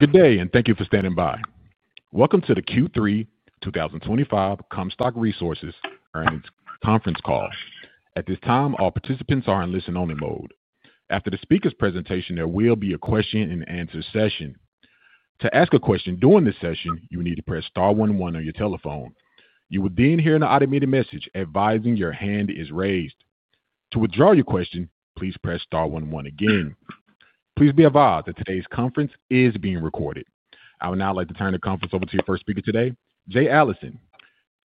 Good day, and thank you for standing by. Welcome to the Q3 2025 Comstock Resources' Earnings Conference Call. At this time, all participants are in listen-only mode. After the speakers' presentation, there will be a question-and-answer session. To ask a question during this session, you need to press Star 11 on your telephone. You will then hear an automated message advising your hand is raised. To withdraw your question, please press Star 11 again. Please be advised that today's conference is being recorded. I would now like to turn the conference over to your first speaker today, Jay Allison,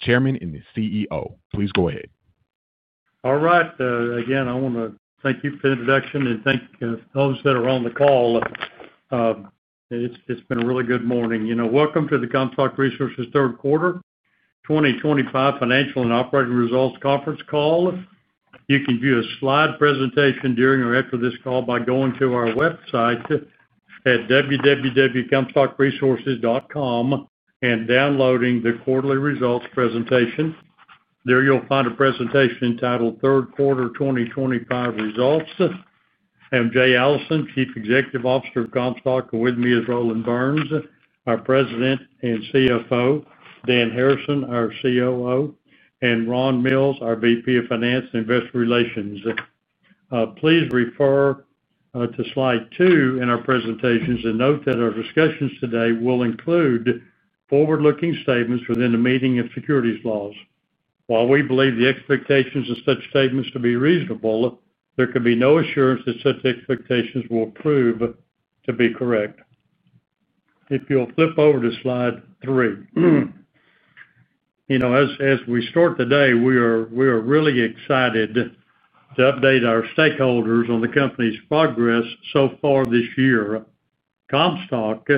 Chairman and CEO. Please go ahead. All right. Again, I want to thank you for the introduction and thank all those that are on the call. It's been a really good morning. Welcome to the Comstock Resources' third quarter 2025 financial and operating results conference call. You can view a slide presentation during or after this call by going to our website at www.comstockresources.com and downloading the quarterly results presentation. There you'll find a presentation entitled third quarter 2025 Results. I'm Jay Allison, Chief Executive Officer of Comstock. With me is Roland Burns, our President and CFO, Dan Harrison, our COO, and Ron Mills, our VP of Finance and Investor Relations. Please refer to slide two in our presentations and note that our discussions today will include forward-looking statements within the meaning of securities laws. While we believe the expectations of such statements to be reasonable, there can be no assurance that such expectations will prove to be correct. If you'll flip over to slide three. As we start today, we are really excited to update our stakeholders on the company's progress so far this year. Comstock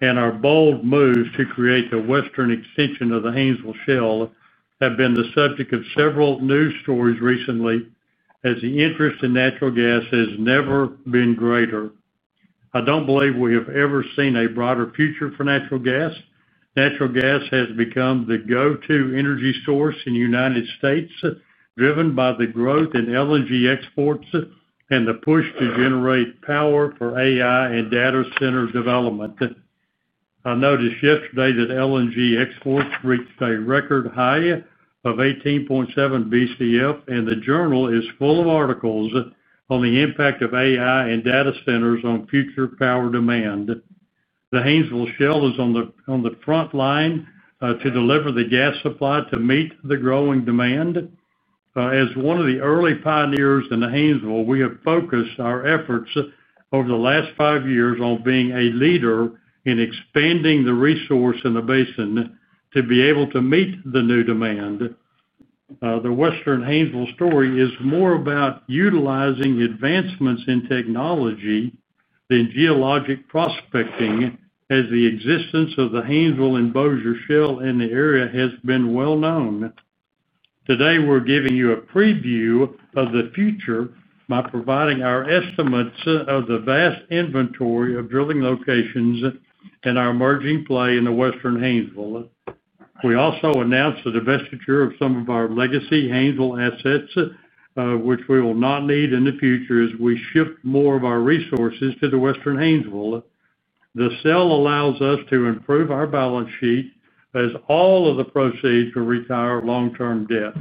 and our bold move to create the Western extension of the Haynesville Shale have been the subject of several news stories recently as the interest in natural gas has never been greater. I don't believe we have ever seen a brighter future for natural gas. Natural gas has become the go-to energy source in the United States, driven by the growth in LNG exports and the push to generate power for AI and data center development. I noticed yesterday that LNG exports reached a record high of 18.7 Bcf, and the journal is full of articles on the impact of AI and data centers on future power demand. The Haynesville Shale is on the front line to deliver the gas supply to meet the growing demand. As one of the early pioneers in the Haynesville, we have focused our efforts over the last five years on being a leader in expanding the resource in the basin to be able to meet the new demand. The Western Haynesville story is more about utilizing advancements in technology than geologic prospecting, as the existence of the Haynesville and Bossier Shale in the area has been well known. Today, we're giving you a preview of the future by providing our estimates of the vast inventory of drilling locations and our emerging play in the Western Haynesville. We also announced the divestiture of some of our Legacy Haynesville assets, which we will not need in the future as we shift more of our resources to the Western Haynesville. The sale allows us to improve our balance sheet as all of the proceeds will retire long-term debt.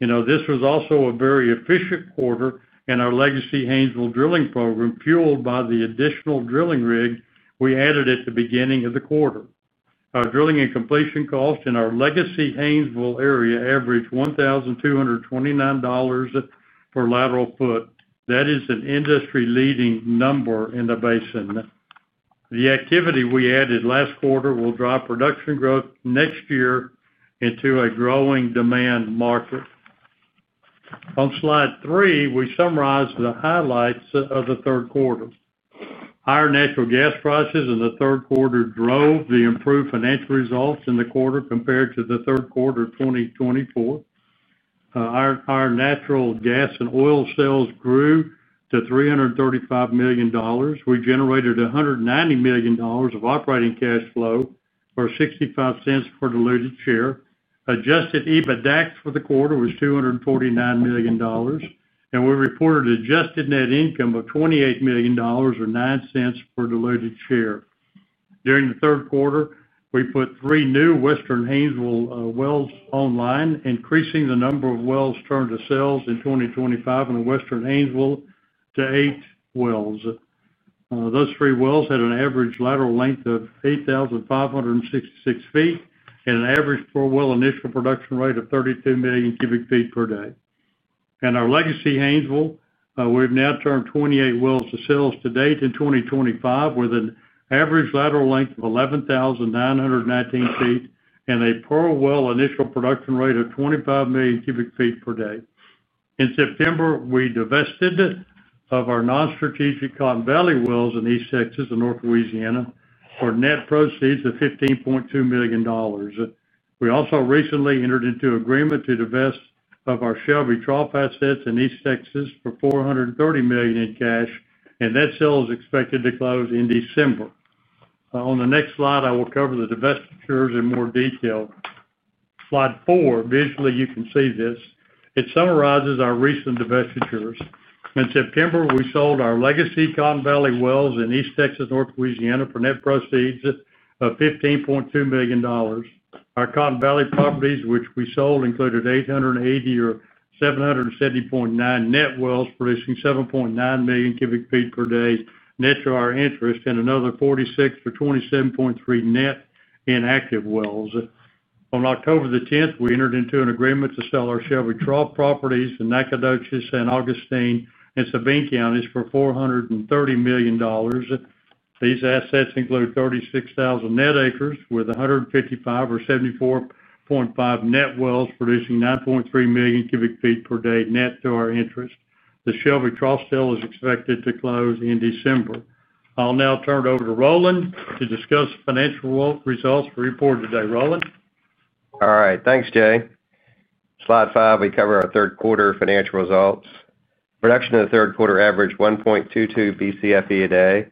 This was also a very efficient quarter, and our Legacy Haynesville drilling program, fueled by the additional drilling rig we added at the beginning of the quarter. Our drilling and completion costs in our Legacy Haynesville area average $1,229 per lateral foot. That is an industry-leading number in the basin. The activity we added last quarter will drive production growth next year into a growing demand market. On slide three, we summarize the highlights of the third quarter. Higher natural gas prices in the third quarter drove the improved financial results in the quarter compared to the third quarter of 2024. Our natural gas and oil sales grew to $335 million. We generated $190 million of operating cash flow or $0.65 per diluted share. Adjusted EBITDA for the quarter was $249 million. And we reported adjusted net income of $28 million or $0.09 per diluted share. During the third quarter, we put three new Western Haynesville wells online, increasing the number of wells turned to sales in 2025 in Western Haynesville to eight wells. Those three wells had an average lateral length of 8,566 feet and an average per well initial production rate of 32 MMcfe per day. And our Legacy Haynesville, we've now turned 28 wells to sales to date in 2025 with an average lateral length of 11,919 feet and a per well initial production rate of 25 MMcfe per day. In September, we divested of our non-strategic Cotton Valley wells in East Texas and North Louisiana for net proceeds of $15.2 million. We also recently entered into an agreement to divest of our Shelby Trough assets in East Texas for $430 million in cash, and that sale is expected to close in December. On the next slide, I will cover the divestitures in more detail. Slide four, visually you can see this. It summarizes our recent divestitures. In September, we sold our legacy Cotton Valley wells in East Texas, North Louisiana for net proceeds of $15.2 million. Our Cotton Valley properties, which we sold, included 880 or 770.9 net wells producing 7.9 MMcfe per day net to our interest and another 46 or 27.3 net in active wells. On October the 10th, we entered into an agreement to sell our Shelby Trough properties in Nacogdoches, San Augustine, and Sabine Counties for $430 million. These assets include 36,000 net acres with 155 or 74.5 net wells producing 9.3 MMcfe per day net to our interest. The Shelby Trough sale is expected to close in December. I'll now turn it over to Roland to discuss financial results for the report today. Roland. All right. Thanks, Jay. Slide five, we cover our third quarter financial results. Production in the third quarter averaged 1.22 Bcfe a day,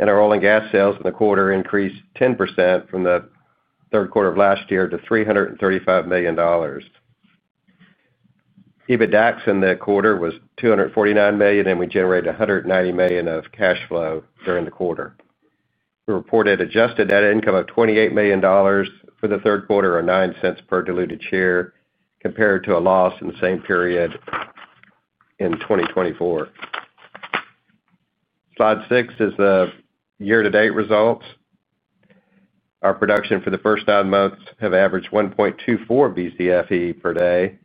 and our oil and gas sales in the quarter increased 10% from the third quarter of last year to $335 million. EBITDA in the quarter was $249 million, and we generated $190 million of cash flow during the quarter. We reported adjusted net income of $28 million for the third quarter or $0.09 per diluted share compared to a loss in the same period in 2024. Slide six is the year-to-date results. Our production for the first nine months has averaged 1.24 Bcfe per day,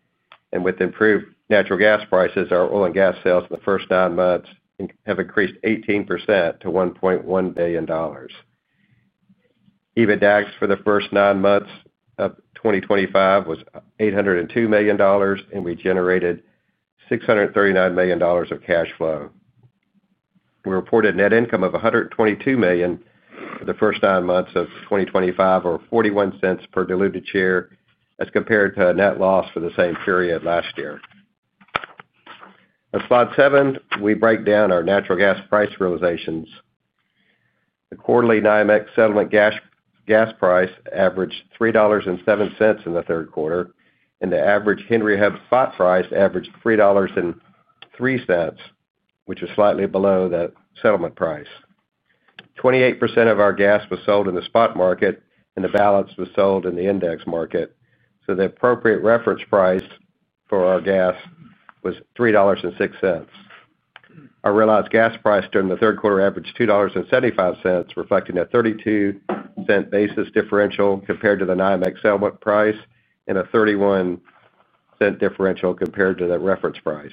and with improved natural gas prices, our oil and gas sales in the first nine months have increased 18% to $1.1 billion. EBITDA for the first nine months of 2024 was $802 million, and we generated $639 million of cash flow. We reported net income of $122 million for the first nine months of 2024 or $0.41 per diluted share as compared to a net loss for the same period last year. On slide seven, we break down our natural gas price realizations. The quarterly NYMEX settlement gas price averaged $3.07 in the third quarter, and the average Henry Hub spot price averaged $3.03, which is slightly below the settlement price. 28% of our gas was sold in the spot market, and the balance was sold in the index market. So the appropriate reference price for our gas was $3.06. Our realized gas price during the third quarter averaged $2.75, reflecting a $0.32 basis differential compared to the NYMEX settlement price and a $0.31 differential compared to the reference price.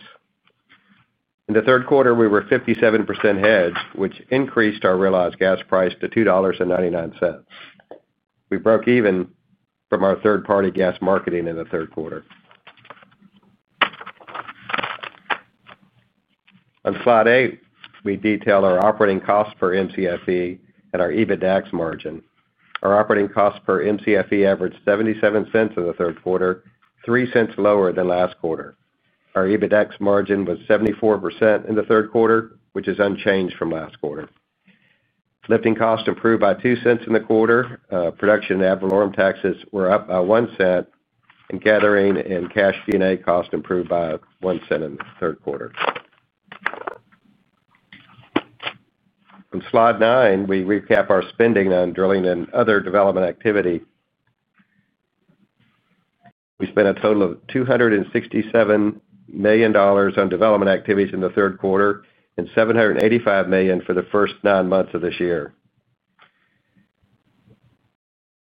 In the third quarter, we were 57% hedged, which increased our realized gas price to $2.99. We broke even from our third-party gas marketing in the third quarter. On slide eight, we detail our operating costs per Mcfe and our EBITDA margin. Our operating costs per Mcfe averaged $0.77 in the third quarter, $0.03 lower than last quarter. Our EBITDA margin was 74% in the third quarter, which is unchanged from last quarter. Lifting cost improved by $0.02 in the quarter. Production and ad valorem taxes were up by $0.01, and gathering and compression cost improved by $0.01 in the third quarter. On slide nine, we recap our spending on drilling and other development activity. We spent a total of $267 million on development activities in the third quarter and $785 million for the first nine months of this year.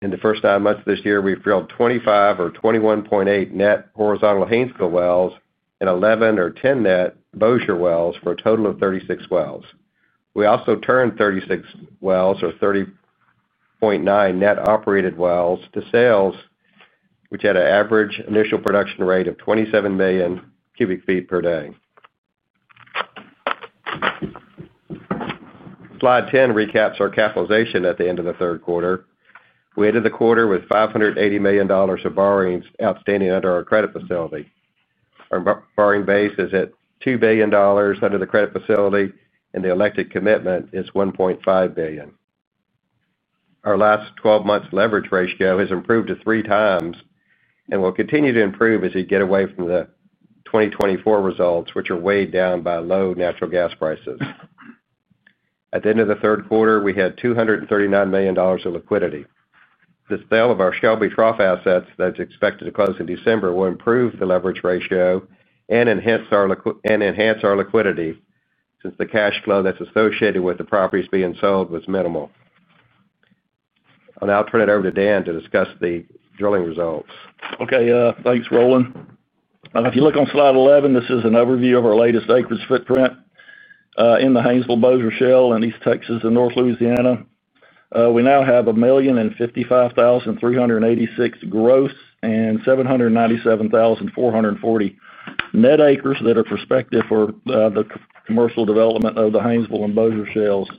In the first nine months of this year, we drilled 25 or 21.8 net horizontal Haynesville wells and 11 or 10 net Bossier wells for a total of 36 wells. We also turned 36 wells or 30.9 net operated wells to sales, which had an average initial production rate of 27 MMcfe per day. Slide 10 recaps our capitalization at the end of the third quarter. We ended the quarter with $580 million of borrowings outstanding under our credit facility. Our borrowing base is at $2 billion under the credit facility, and the elected commitment is $1.5 billion. Our last 12 months' leverage ratio has improved to 3x and will continue to improve as we get away from the 2024 results, which are weighed down by low natural gas prices. At the end of the third quarter, we had $239 million of liquidity. The sale of our Shelby Trough assets that's expected to close in December will improve the leverage ratio and enhance our liquidity since the cash flow that's associated with the properties being sold was minimal. And I'll turn it over to Dan to discuss the drilling results. Okay. Thanks, Roland. If you look on slide 11, this is an overview of our latest acreage footprint in the Haynesville Bossier Shale in East Texas and North Louisiana. We now have 1,055,386 gross and 797,440 net acres that are prospective for the commercial development of the Haynesville and Bossier Shales.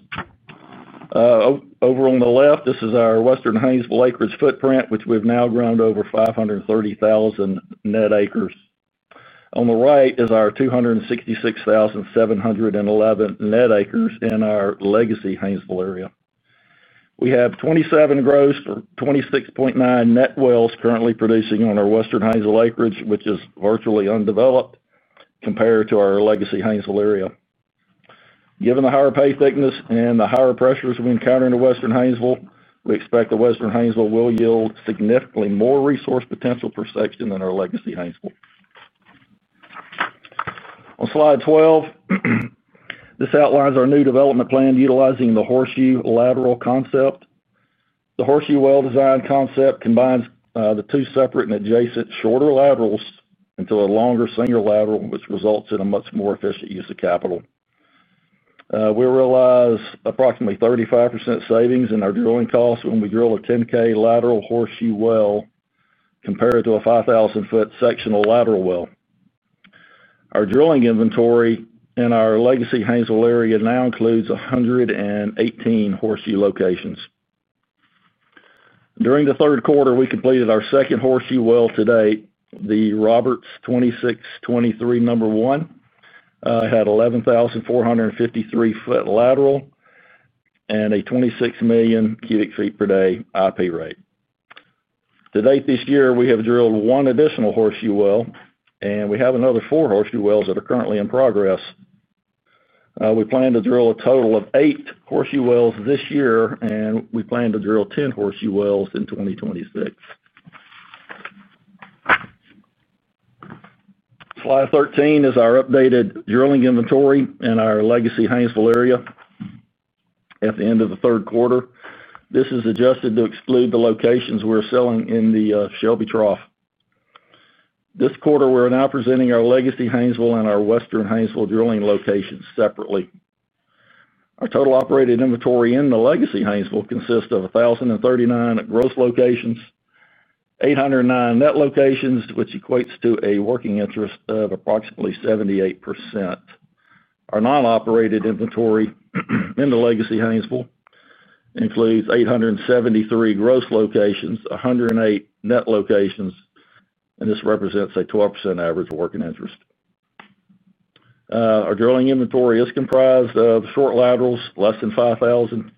Over on the left, this is our Western Haynesville acreage footprint, which we've now grown to over 530,000 net acres. On the right is our 266,711 net acres in our Legacy Haynesville area. We have 27 gross or 26.9 net wells currently producing on our Western Haynesville acreage, which is virtually undeveloped compared to our Legacy Haynesville area. Given the higher pay thickness and the higher pressures we encounter in the Western Haynesville, we expect the Western Haynesville will yield significantly more resource potential per section than our Legacy Haynesville. On slide 12, this outlines our new development plan utilizing the Horseshoe lateral concept. The Horseshoe well design concept combines the two separate and adjacent shorter laterals into a longer singular lateral, which results in a much more efficient use of capital. We realize approximately 35% savings in our drilling costs when we drill a 10,000 lateral Horseshoe well compared to a 5,000-foot sectional lateral well. Our drilling inventory in our Legacy Haynesville area now includes 118 Horseshoe locations. During the third quarter, we completed our second Horseshoe Well to date, the Roberts 2623 number one. Had 11,453-foot lateral and a 26 MMcfe per day IP rate. To date this year, we have drilled one additional Horseshoe Well, and we have another four Horseshoe Wells that are currently in progress. We plan to drill a total of eight Horseshoe Wells this year, and we plan to drill 10 Horseshoe Wells in 2026. Slide 13 is our updated drilling inventory in our Legacy Haynesville area at the end of the third quarter. This is adjusted to exclude the locations we're selling in the Shelby Trough. This quarter, we're now presenting our Legacy Haynesville and our Western Haynesville drilling locations separately. Our total operated inventory in the Legacy Haynesville consists of 1,039 gross locations, 809 net locations, which equates to a working interest of approximately 78%. Our non-operated inventory in the Legacy Haynesville includes 873 gross locations, 108 net locations, and this represents a 12% average working interest. Our drilling inventory is comprised of short laterals, less than 5,000 feet;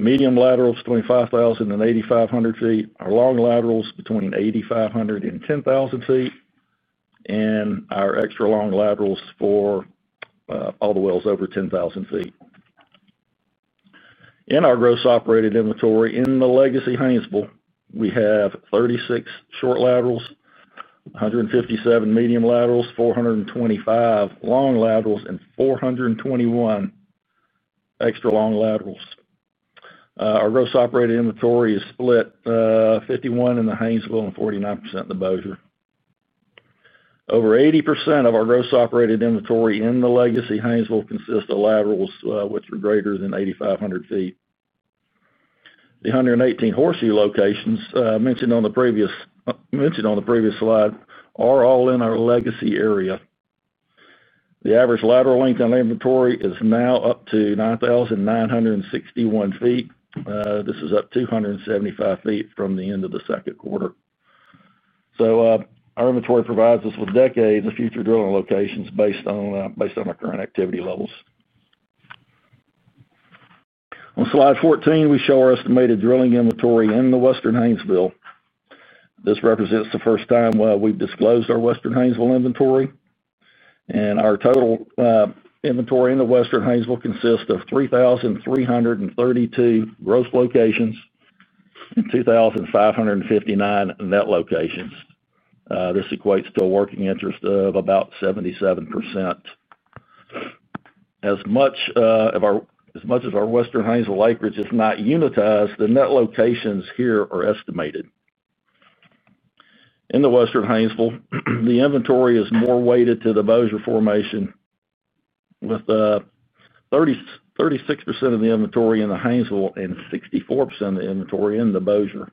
medium laterals, 2,500 to 8,500 feet; our long laterals between 8,500 and 10,000 feet; and our extra long laterals for all the wells over 10,000 feet. In our gross operated inventory in the Legacy Haynesville, we have 36 short laterals, 157 medium laterals, 425 long laterals, and 421 extra long laterals. Our gross operated inventory is split 51% in the Haynesville and 49% in the Bossier. Over 80% of our gross operated inventory in the Legacy Haynesville consists of laterals which are greater than 8,500 feet. The 118 horseshoe locations mentioned on the previous. Slides are all in our legacy area. The average lateral length on inventory is now up to 9,961 feet. This is up 275 feet from the end of the second quarter. So our inventory provides us with decades of future drilling locations based on our current activity levels. On slide 14, we show our estimated drilling inventory in the Western Haynesville. This represents the first time we've disclosed our Western Haynesville inventory. And our total inventory in the Western Haynesville consists of 3,332 gross locations and 2,559 net locations. This equates to a working interest of about 77%. As much of our Western Haynesville acreage is not unitized, the net locations here are estimated. In the Western Haynesville, the inventory is more weighted to the Bossier formation. With 36% of the inventory in the Haynesville and 64% of the inventory in the Bossier.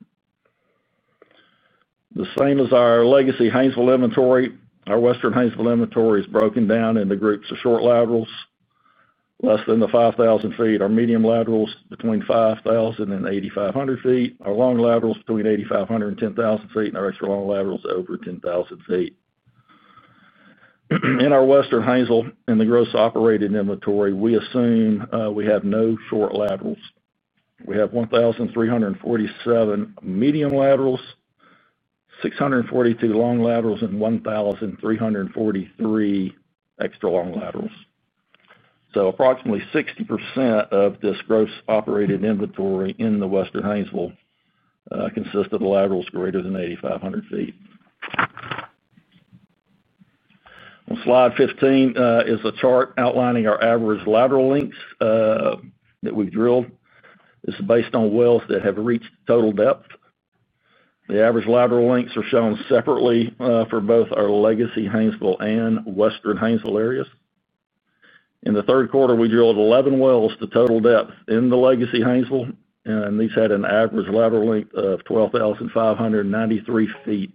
The same as our Legacy Haynesville inventory, our Western Haynesville inventory is broken down into groups of short laterals less than 5,000 feet, our medium laterals between 5,000 and 8,500 feet, our long laterals between 8,500 and 10,000 feet, and our extra long laterals over 10,000 feet. In our Western Haynesville, in the gross operated inventory, we assume we have no short laterals. We have 1,347 medium laterals, 642 long laterals, and 1,343 extra long laterals. So approximately 60% of this gross operated inventory in the Western Haynesville consists of the laterals greater than 8,500 feet. On slide 15 is a chart outlining our average lateral lengths that we've drilled. This is based on wells that have reached total depth. The average lateral lengths are shown separately for both our Legacy Haynesville and Western Haynesville areas. In the third quarter, we drilled 11 wells to total depth in the Legacy Haynesville, and these had an average lateral length of 12,593 feet.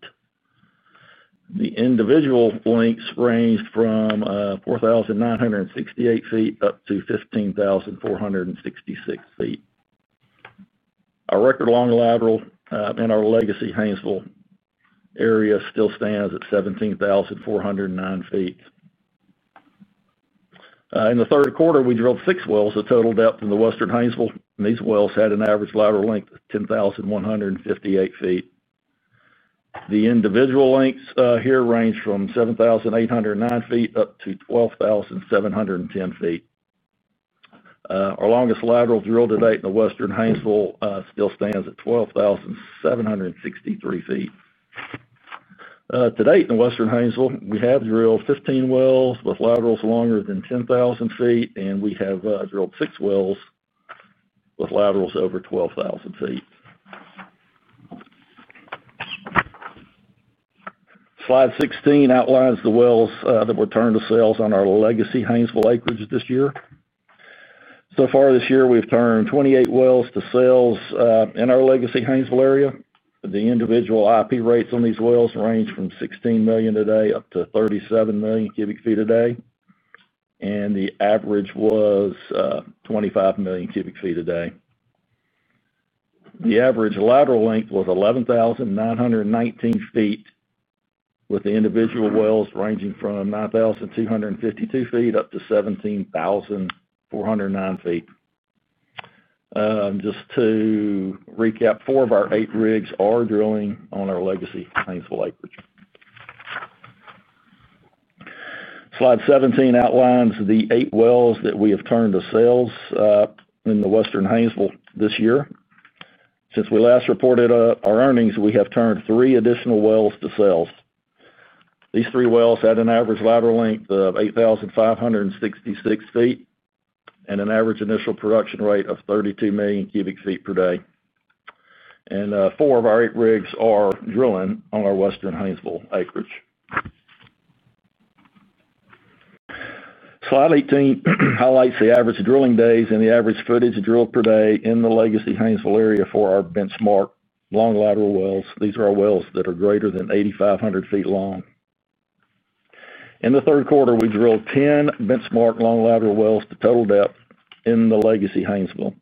The individual lengths ranged from 4,968 feet up to 15,466 feet. Our record long lateral in our Legacy Haynesville area still stands at 17,409 feet. In the third quarter, we drilled six wells to total depth in the Western Haynesville, and these wells had an average lateral length of 10,158 feet. The individual lengths here range from 7,809 feet up to 12,710 feet. Our longest lateral drilled to date in the Western Haynesville still stands at 12,763 feet. To date in the Western Haynesville, we have drilled 15 wells with laterals longer than 10,000 feet, and we have drilled six wells with laterals over 12,000 feet. Slide 16 outlines the wells that were turned to sales on our Legacy Haynesville acreage this year. So far this year, we've turned 28 wells to sales in our Legacy Haynesville area. The individual IP rates on these wells range from 16 million a day up to 37 MMcfe a day. And the average was 25 MMcfe a day. The average lateral length was 11,919 feet, with the individual wells ranging from 9,252 feet up to 17,409 feet. Just to recap, four of our eight rigs are drilling on our Legacy Haynesville acreage. Slide 17 outlines the eight wells that we have turned to sales in the Western Haynesville this year. Since we last reported our earnings, we have turned three additional wells to sales. These three wells had an average lateral length of 8,566 feet and an average initial production rate of 32 MMcfe per day. And four of our eight rigs are drilling on our Western Haynesville acreage. Slide 18 highlights the average drilling days and the average footage drilled per day in the Legacy Haynesville area for our benchmark long lateral wells. These are our wells that are greater than 8,500 feet long. In the third quarter, we drilled 10 benchmark long lateral wells to total depth in the Legacy Haynesville.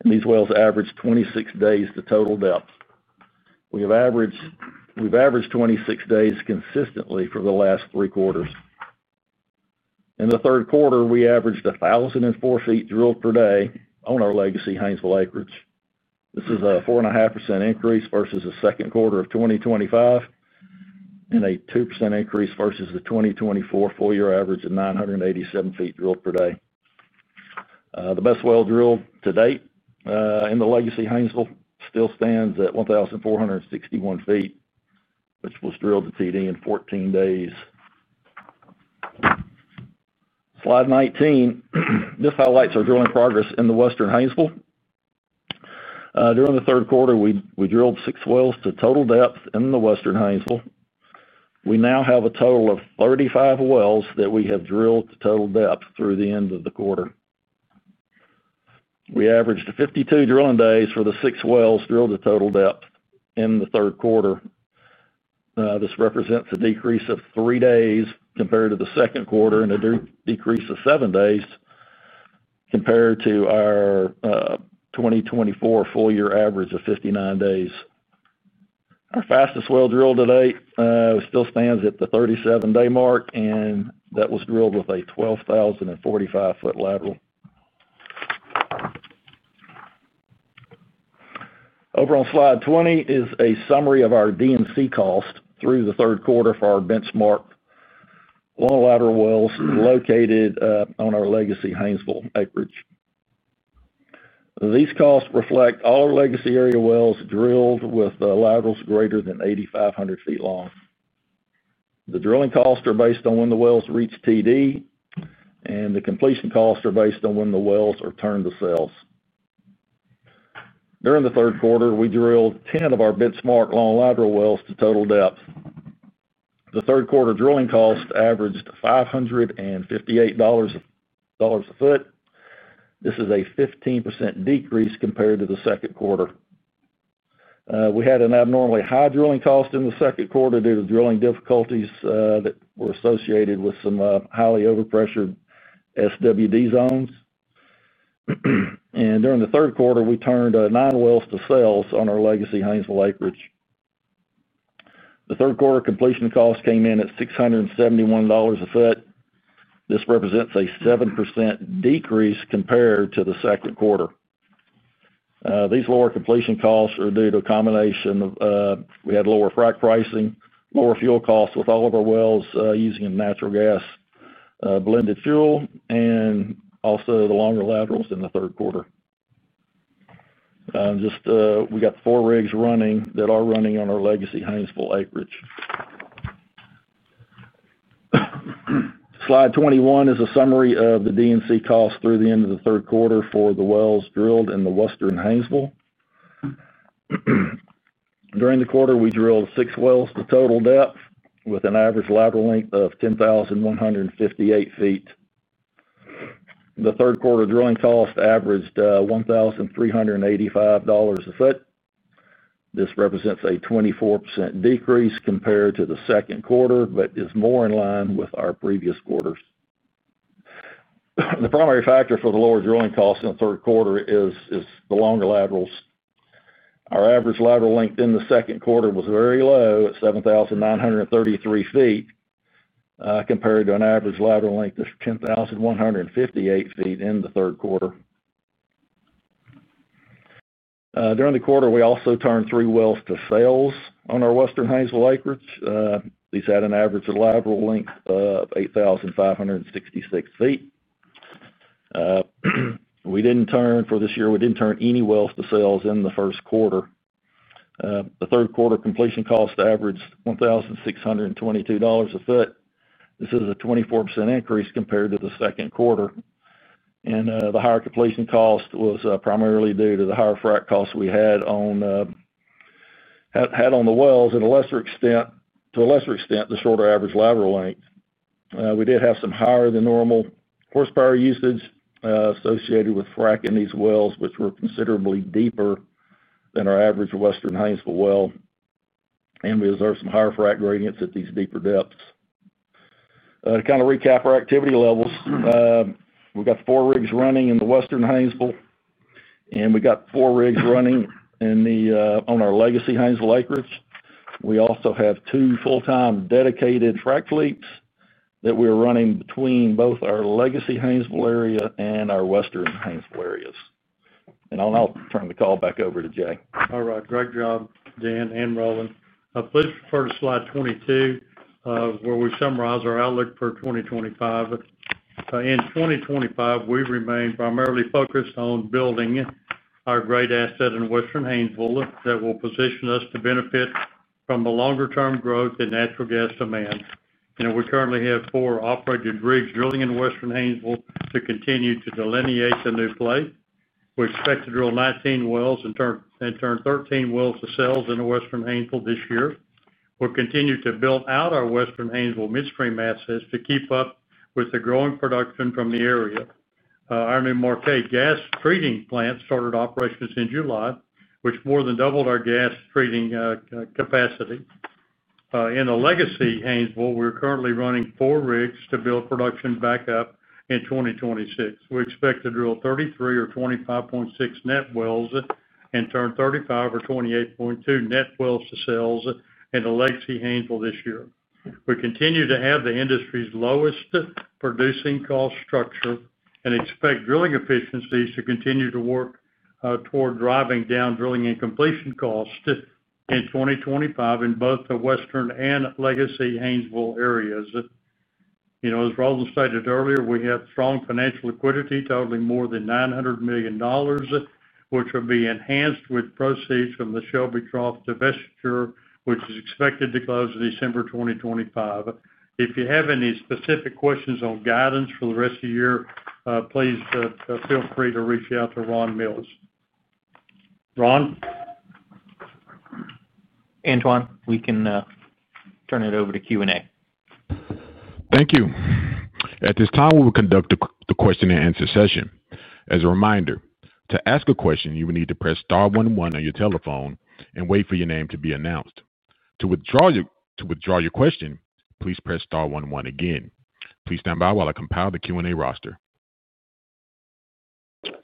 And these wells averaged 26 days to total depth. We've averaged 26 days consistently for the last three quarters. In the third quarter, we averaged 1,004 feet drilled per day on our Legacy Haynesville acreage. This is a 4.5% increase versus the second quarter of 2025. And a 2% increase versus the 2024 full year average of 987 feet drilled per day. The best well drilled to date in the Legacy Haynesville still stands at 1,461 feet, which was drilled to TD in 14 days. Slide 19. This highlights our drilling progress in the Western Haynesville. During the third quarter, we drilled six wells to total depth in the Western Haynesville. We now have a total of 35 wells that we have drilled to total depth through the end of the quarter. We averaged 52 drilling days for the six wells drilled to total depth in the third quarter. This represents a decrease of three days compared to the second quarter and a decrease of seven days compared to our 2024 full year average of 59 days. Our fastest well drilled to date still stands at the 37-day mark, and that was drilled with a 12,045-foot lateral. Over on slide 20 is a summary of our D&C costs through the third quarter for our benchmark long lateral wells located on our Legacy Haynesville acreage. These costs reflect all legacy area wells drilled with laterals greater than 8,500 feet long. The drilling costs are based on when the wells reach TD. And the completion costs are based on when the wells are turned to sales. During the third quarter, we drilled 10 of our benchmark long lateral wells to total depth. The third quarter drilling cost averaged $558 a foot. This is a 15% decrease compared to the second quarter. We had an abnormally high drilling cost in the second quarter due to drilling difficulties that were associated with some highly overpressured SWD zones. And during the third quarter, we turned nine wells to sales on our Legacy Haynesville acreage. The third quarter completion cost came in at $671 a foot. This represents a 7% decrease compared to the second quarter. These lower completion costs are due to a combination of we had lower frac pricing, lower fuel costs with all of our wells using a natural gas blended fuel, and also the longer laterals in the third quarter. Just we got four rigs running that are running on our Legacy Haynesville acreage. Slide 21 is a summary of the D&C costs through the end of the third quarter for the wells drilled in the Western Haynesville. During the quarter, we drilled six wells to total depth with an average lateral length of 10,158 feet. The third quarter drilling cost averaged $1,385/foot. This represents a 24% decrease compared to the second quarter, but is more in line with our previous quarters. The primary factor for the lower drilling costs in the third quarter is the longer laterals. Our average lateral length in the second quarter was very low at 7,933 feet. Compared to an average lateral length of 10,158 feet in the third quarter. During the quarter, we also turned three wells to sales on our Western Haynesville acreage. These had an average lateral length of 8,566 feet. We didn't turn for this year. We didn't turn any wells to sales in the first quarter. The third quarter completion cost averaged $1,622/foot. This is a 24% increase compared to the second quarter. And the higher completion cost was primarily due to the higher frac costs we had on the wells and to a lesser extent the shorter average lateral length. We did have some higher than normal horsepower usage associated with frac in these wells, which were considerably deeper than our average Western Haynesville well. And we observed some higher frac gradients at these deeper depths. To kind of recap our activity levels. We've got four rigs running in the Western Haynesville. And we got four rigs running on our Legacy Haynesville acreage. We also have two full-time dedicated frac fleets that we are running between both our Legacy Haynesville area and our Western Haynesville areas. And I'll turn the call back over to Jay. All right. Great job, Dan and Roland. Please refer to slide 22 where we summarize our outlook for 2025. In 2025, we remain primarily focused on building our great asset in Western Haynesville that will position us to benefit from the longer-term growth in natural gas demand. And we currently have four operated rigs drilling in Western Haynesville to continue to delineate the new play. We expect to drill 19 wells and turn 13 wells to sales in the Western Haynesville this year. We'll continue to build out our Western Haynesville midstream assets to keep up with the growing production from the area. Our new Marquette Gas Treating Plant started operations in July, which more than doubled our gas treating capacity. In the Legacy Haynesville, we're currently running four rigs to build production back up in 2026. We expect to drill 33 or 25.6 net wells and turn 35 or 28.2 net wells to sales in the Legacy Haynesville this year. We continue to have the industry's lowest producing cost structure and expect drilling efficiencies to continue to work toward driving down drilling and completion cost in 2025 in both the Western and Legacy Haynesville areas. As Roland stated earlier, we have strong financial liquidity totaling more than $900 million, which will be enhanced with proceeds from the Shelby Trough divestiture, which is expected to close in December 2025. If you have any specific questions on guidance for the rest of the year, please feel free to reach out to Ron Mills. Ron? Antoine, we can turn it over to Q&A. Thank you. At this time, we will conduct the question and answer session. As a reminder, to ask a question, you will need to press star 11 on your telephone and wait for your name to be announced. To withdraw your question, please press star 11 again. Please stand by while I compile the Q&A roster.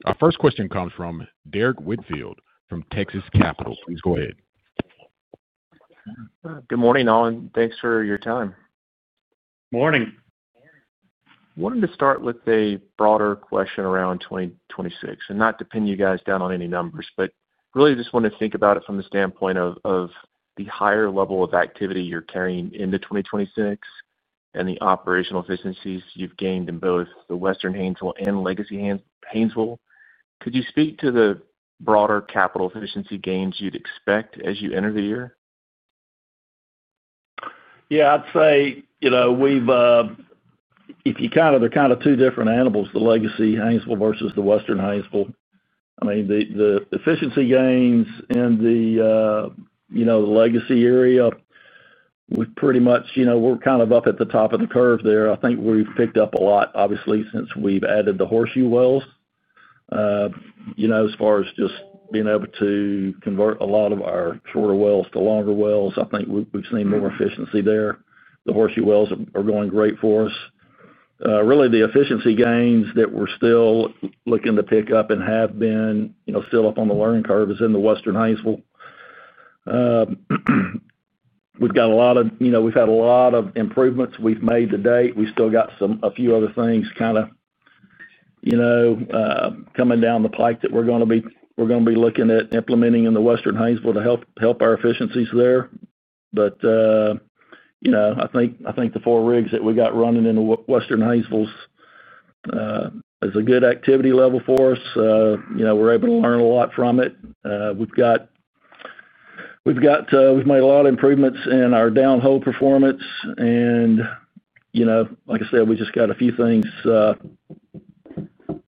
Our first question comes from Derrick Whitfield from Texas Capital. Please go ahead. Good morning, Alan. Thanks for your time. Morning. Wanted to start with a broader question around 2026 and not to pin you guys down on any numbers, but really just wanted to think about it from the standpoint of the higher level of activity you're carrying into 2026 and the operational efficiencies you've gained in both the Western Haynesville and Legacy Haynesville. Could you speak to the broader capital efficiency gains you'd expect as you enter the year? Yeah, I'd say. If you kind of—they're kind of two different animals, the Legacy Haynesville versus the Western Haynesville. I mean, the efficiency gains in the legacy area, we've pretty much—we're kind of up at the top of the curve there. I think we've picked up a lot, obviously, since we've added the Horseshoe Wells. As far as just being able to convert a lot of our shorter wells to longer wells, I think we've seen more efficiency there. The Horseshoe Wells are going great for us. Really, the efficiency gains that we're still looking to pick up and have been still up on the learning curve is in the Western Haynesville. We've got a lot of—we've had a lot of improvements we've made to date. We still got a few other things kind of coming down the pike that we're going to be—we're going to be looking at implementing in the Western Haynesville to help our efficiencies there. But I think the four rigs that we got running in the Western Haynesville's is a good activity level for us. We're able to learn a lot from it. We've made a lot of improvements in our downhole performance. And like I said, we just got a few things.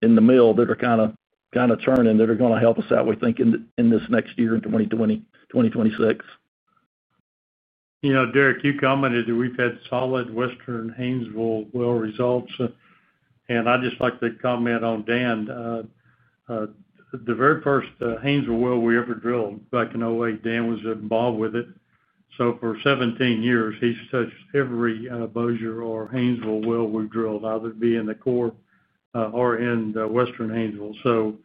In the mill that are kind of turning that are going to help us out, we think, in this next year, in 2026. Derrick, you commented that we've had solid Western Haynesville well results. And I'd just like to comment on Dan. The very first Haynesville well we ever drilled back in 2008, Dan was involved with it. So for 17 years, he's touched every Bossier or Haynesville well we've drilled, either be in the core or in the Western Haynesville. So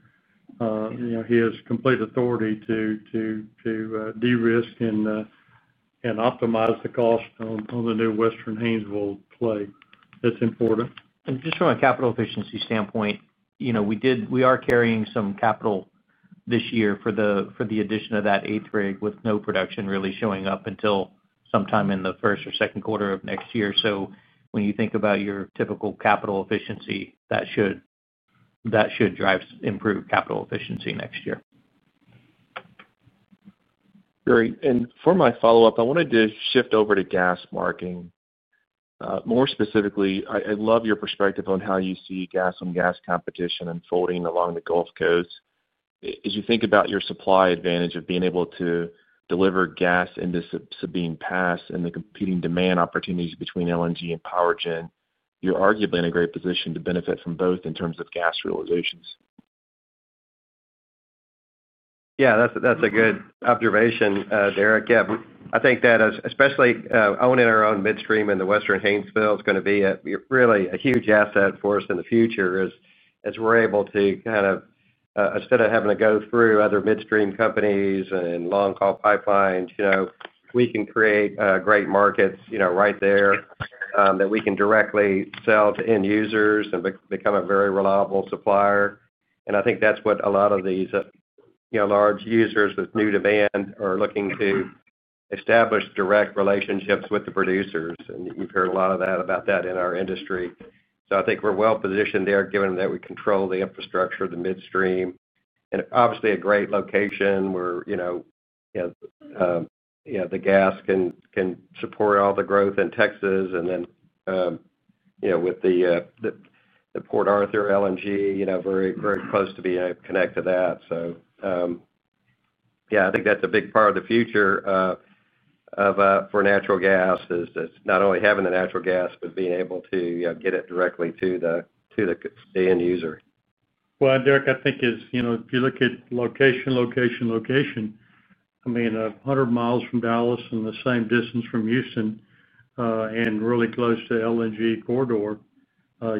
he has complete authority to derisk and optimize the cost on the new Western Haynesville play that's important. And just from a capital efficiency standpoint, we are carrying some capital this year for the addition of that eighth rig with no production really showing up until sometime in the first or second quarter of next year. So when you think about your typical capital efficiency, that should drive improved capital efficiency next year. Great. And for my follow-up, I wanted to shift over to gas marketing. More specifically, I love your perspective on how you see gas on gas competition unfolding along the Gulf Coast. As you think about your supply advantage of being able to deliver gas into Sabine Pass and the competing demand opportunities between LNG and PowerGen, you're arguably in a great position to benefit from both in terms of gas realizations. Yeah, that's a good observation, Derrick. Yeah, I think that especially owning our own midstream in the Western Haynesville is going to be really a huge asset for us in the future as we're able to kind of, instead of having to go through other midstream companies and long-haul pipelines, we can create great markets right there that we can directly sell to end users and become a very reliable supplier. And I think that's what a lot of these large users with new demand are looking to establish direct relationships with the producers. And you've heard a lot of that about that in our industry. So I think we're well positioned there, given that we control the infrastructure, the midstream, and obviously a great location where the gas can support all the growth in Texas. And then with the Port Arthur LNG, very close to being able to connect to that. So yeah, I think that's a big part of the future for natural gas, is not only having the natural gas, but being able to get it directly to the end user. Well, Derrick, I think if you look at location, location, location, I mean, 100 miles from Dallas and the same distance from Houston. And really close to LNG corridor.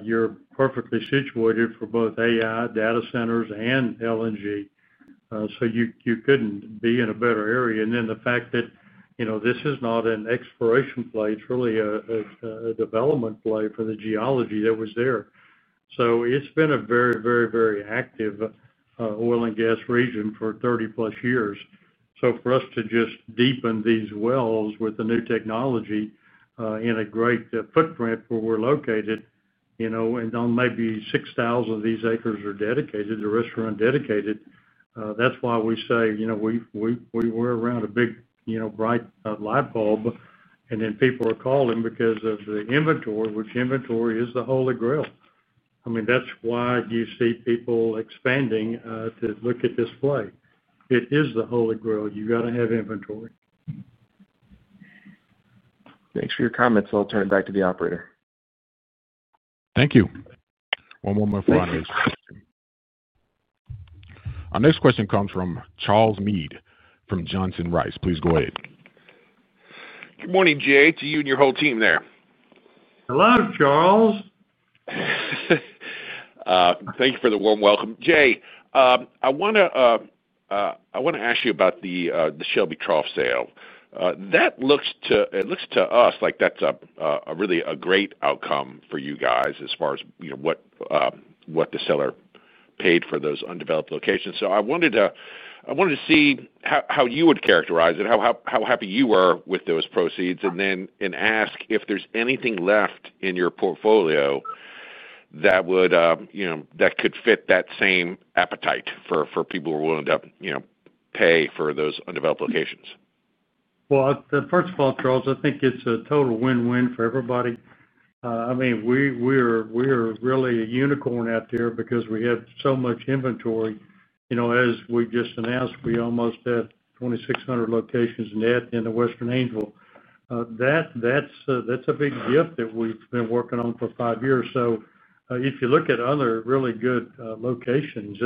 You're perfectly situated for both AI data centers and LNG. So you couldn't be in a better area. And then the fact that this is not an exploration play, it's really a development play for the geology that was there. So it's been a very, very, very active oil and gas region for 30-plus years. So for us to just deepen these wells with the new technology in a great footprint where we're located. And on maybe 6,000 of these acres are dedicated, the remainder dedicated. That's why we say. We're around a big bright light bulb. And then people are calling because of the inventory, which inventory is the holy grail. I mean, that's why you see people expanding to look at this play. It is the holy grail. You got to have inventory. Thanks for your comments. I'll turn it back to the operator. Thank you. One more for our next question. Our next question comes from Charles Meade from Johnson Rice. Please go ahead. Good morning, Jay. To you and your whole team there. Hello, Charles. Thank you for the warm welcome. Jay, I want to ask you about the Shelby Trough sale. It looks to us like that's really a great outcome for you guys as far as what the seller paid for those undeveloped locations. So I wanted to see how you would characterize it, how happy you were with those proceeds, and then ask if there's anything left in your portfolio that could fit that same appetite for people who are willing to pay for those undeveloped locations. Well, first of all, Charles, I think it's a total win-win for everybody. I mean, we are really a unicorn out there because we have so much inventory. As we just announced, we almost have 2,600 locations net in the Western Haynesville. That's a big gift that we've been working on for five years. So if you look at other really good locations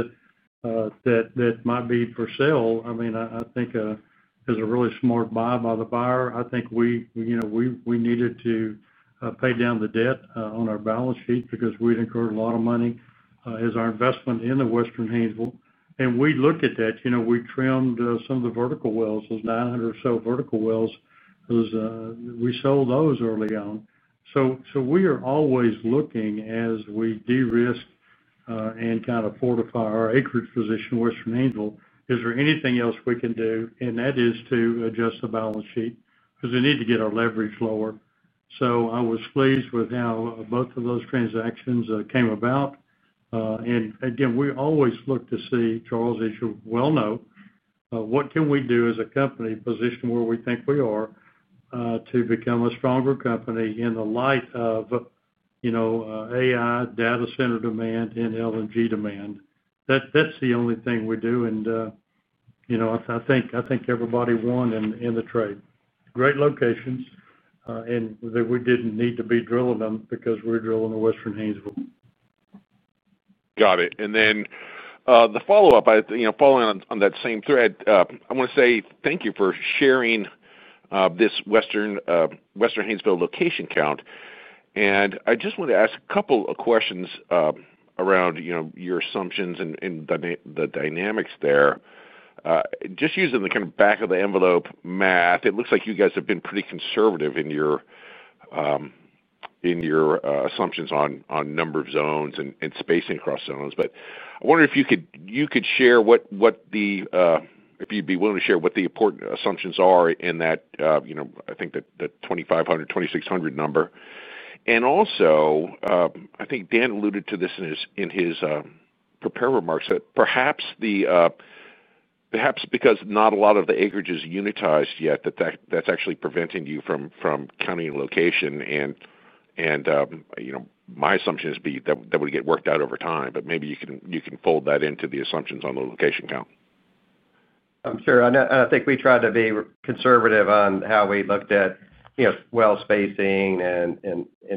that might be for sale, I mean, I think there's a really smart buy by the buyer. I think we needed to pay down the debt on our balance sheet because we'd incurred a lot of money as our investment in the Western Haynesville. And we looked at that. We trimmed some of the vertical wells, those 900 or so vertical wells. We sold those early on. So we are always looking as we de-risk and kind of fortify our acreage position, Western Haynesville. Is there anything else we can do? And that is to adjust the balance sheet because we need to get our leverage lower. So I was pleased with how both of those transactions came about. And again, we always look to see, Charles, as you well know, what can we do as a company position where we think we are to become a stronger company in the light of AI data center demand and LNG demand. That's the only thing we do. And I think everybody won in the trade. Great locations. And we didn't need to be drilling them because we're drilling the Western Haynesville. Got it. And then the follow-up, following on that same thread, I want to say thank you for sharing this Western Haynesville location count. And I just want to ask a couple of questions around your assumptions and the dynamics there. Just using the kind of back-of-the-envelope math, it looks like you guys have been pretty conservative in your assumptions on number of zones and spacing across zones. But I wonder if you could share what the, if you'd be willing to share what the important assumptions are in that, I think, the 2,500-2,600 number. And also, I think Dan alluded to this in his prepared remarks that perhaps because not a lot of the acreage is unitized yet, that that's actually preventing you from counting locations. And my assumption is that would get worked out over time. But maybe you can fold that into the assumptions on the location count. I'm sure. And I think we tried to be conservative on how we looked at well spacing and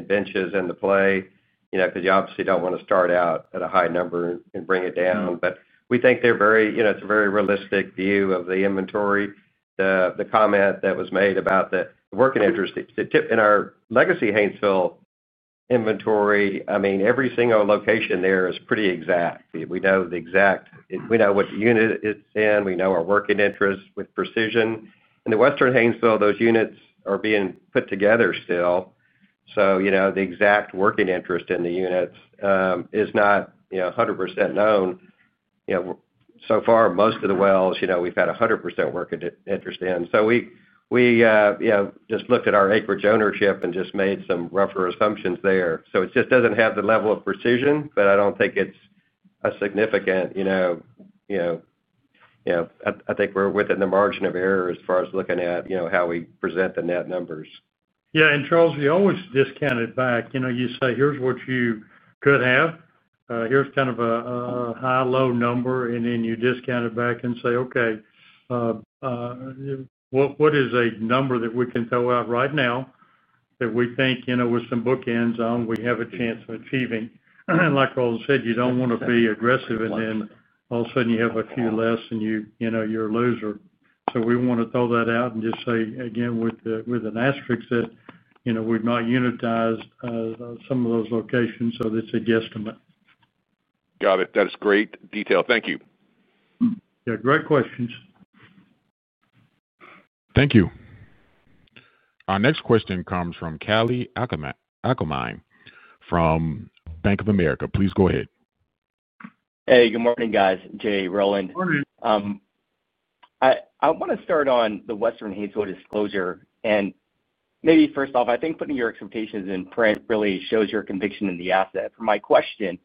benches in the play because you obviously don't want to start out at a high number and bring it down. But we think they're very, it's a very realistic view of the inventory. The comment that was made about the working interest in our Legacy Haynesville inventory, I mean, every single location there is pretty exact. We know the exact, we know what unit it's in. We know our working interest with precision. In the Western Haynesville, those units are being put together still. So the exact working interest in the units is not 100% known. So far, most of the wells, we've had 100% working interest in. So we just looked at our acreage ownership and just made some rougher assumptions there. So it just doesn't have the level of precision, but I don't think it's a significant. I think we're within the margin of error as far as looking at how we present the net numbers. Yeah. And Charles, we always discount it back. You say, "Here's what you could have. Here's kind of a high, low number." And then you discount it back and say, "Okay. What is a number that we can throw out right now. That we think with some bookends on we have a chance of achieving?" And like I said, you don't want to be aggressive. And then all of a sudden, you have a few less, and you're a loser. So we want to throw that out and just say, again, with an asterisk that we've not unitized some of those locations. So that's a guesstimate. Got it. That is great detail. Thank you. Yeah. Great questions. Thank you. Our next question comes from Kalei Akamine from Bank of America. Please go ahead. Hey. Good morning, guys. Jay, Roland. Good morning. I want to start on the Western Haynesville disclosure. And maybe first off, I think putting your expectations in print really shows your conviction in the asset. For my question,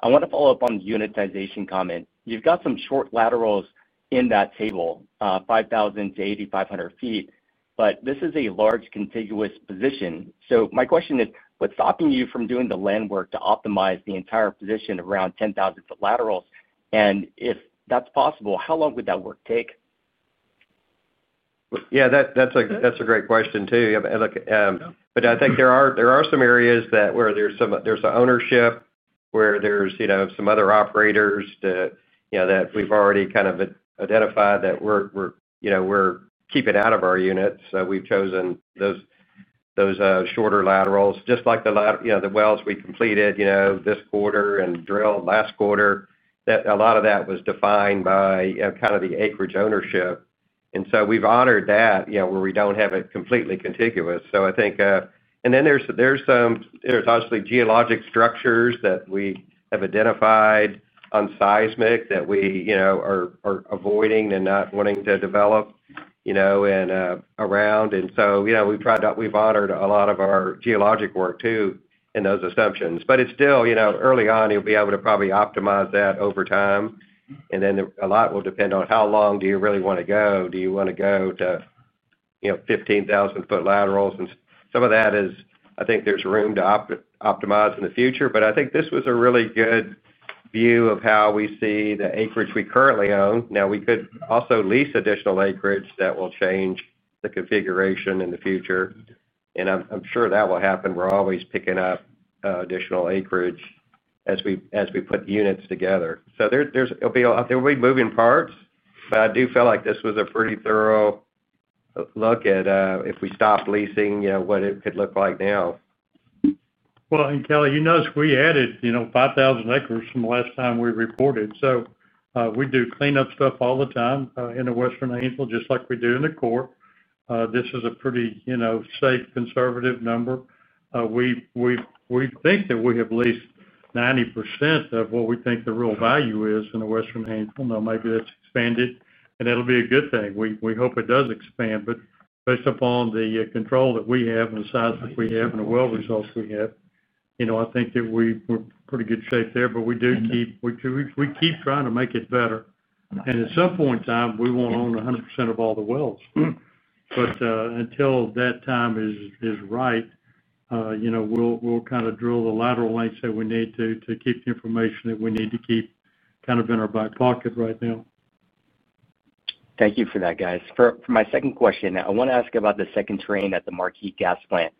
I want to follow up on the unitization comment. You've got some short laterals in that table, 5,000-8,500 feet. But this is a large contiguous position. So my question is, what's stopping you from doing the landwork to optimize the entire position around 10,000-foot laterals? And if that's possible, how long would that work take? Yeah, that's a great question too. But I think there are some areas where there's some ownership, where there's some other operators that we've already kind of identified that we're keeping out of our units. So we've chosen those. Shorter laterals. Just like the wells we completed this quarter and drilled last quarter, a lot of that was defined by kind of the acreage ownership. And so we've honored that where we don't have it completely contiguous. So I think—and then there's obviously geologic structures that we have identified on seismic that we are avoiding and not wanting to develop around. And so we've honored a lot of our geologic work too in those assumptions. But it's still early on. You'll be able to probably optimize that over time. And then a lot will depend on how long do you really want to go? Do you want to go to 15,000-foot laterals? And some of that is, I think there's room to optimize in the future. But I think this was a really good view of how we see the acreage we currently own. Now, we could also lease additional acreage that will change the configuration in the future. And I'm sure that will happen. We're always picking up additional acreage as we put units together. So there'll be moving parts. But I do feel like this was a pretty thorough look at if we stopped leasing, what it could look like now. And Kalei, you noticed we added 5,000 acres from the last time we reported. So we do cleanup stuff all the time in the Western Haynesville, just like we do in the Core. This is a pretty safe, conservative number. We think that we have leased 90% of what we think the real value is in the Western Haynesville. Now, maybe that's expanded, and that'll be a good thing. We hope it does expand. But based upon the control that we have and the size that we have and the well results we have, I think that we're in pretty good shape there. But we keep trying to make it better. And at some point in time, we won't own 100% of all the wells. But until that time is right, we'll kind of drill the lateral lengths that we need to keep the information that we need to keep kind of in our back pocket right now. Thank you for that, guys. For my second question, I want to ask about the second train at the Marquette Gas Plant.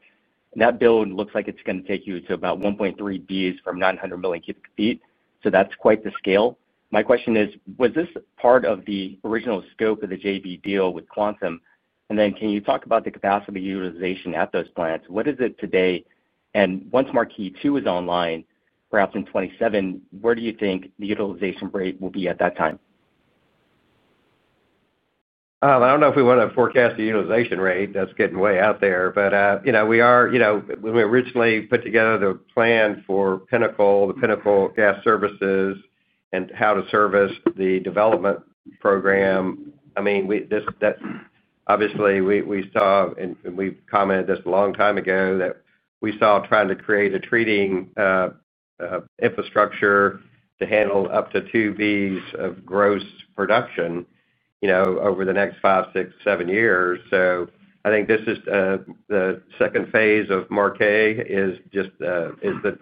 That build looks like it's going to take you to about 1.3 Bcf/d from 900 MMcfe. So that's quite the scale. My question is, was this part of the original scope of the JV deal with Quantum? And then can you talk about the capacity utilization at those plants? What is it today? And once Marquette 2 is online, perhaps in 2027, where do you think the utilization rate will be at that time? I don't know if we want to forecast the utilization rate. That's getting way out there. But we are. We originally put together the plan for Pinnacle, -- the Pinnacle Gas Services, and how to service the development program. I mean. Obviously, we saw. And we've commented this a long time ago. That we saw trying to create a treating infrastructure to handle up to 2 Bs of gross production over the next five, six, seven years. So I think this is the second phase of Marquette. It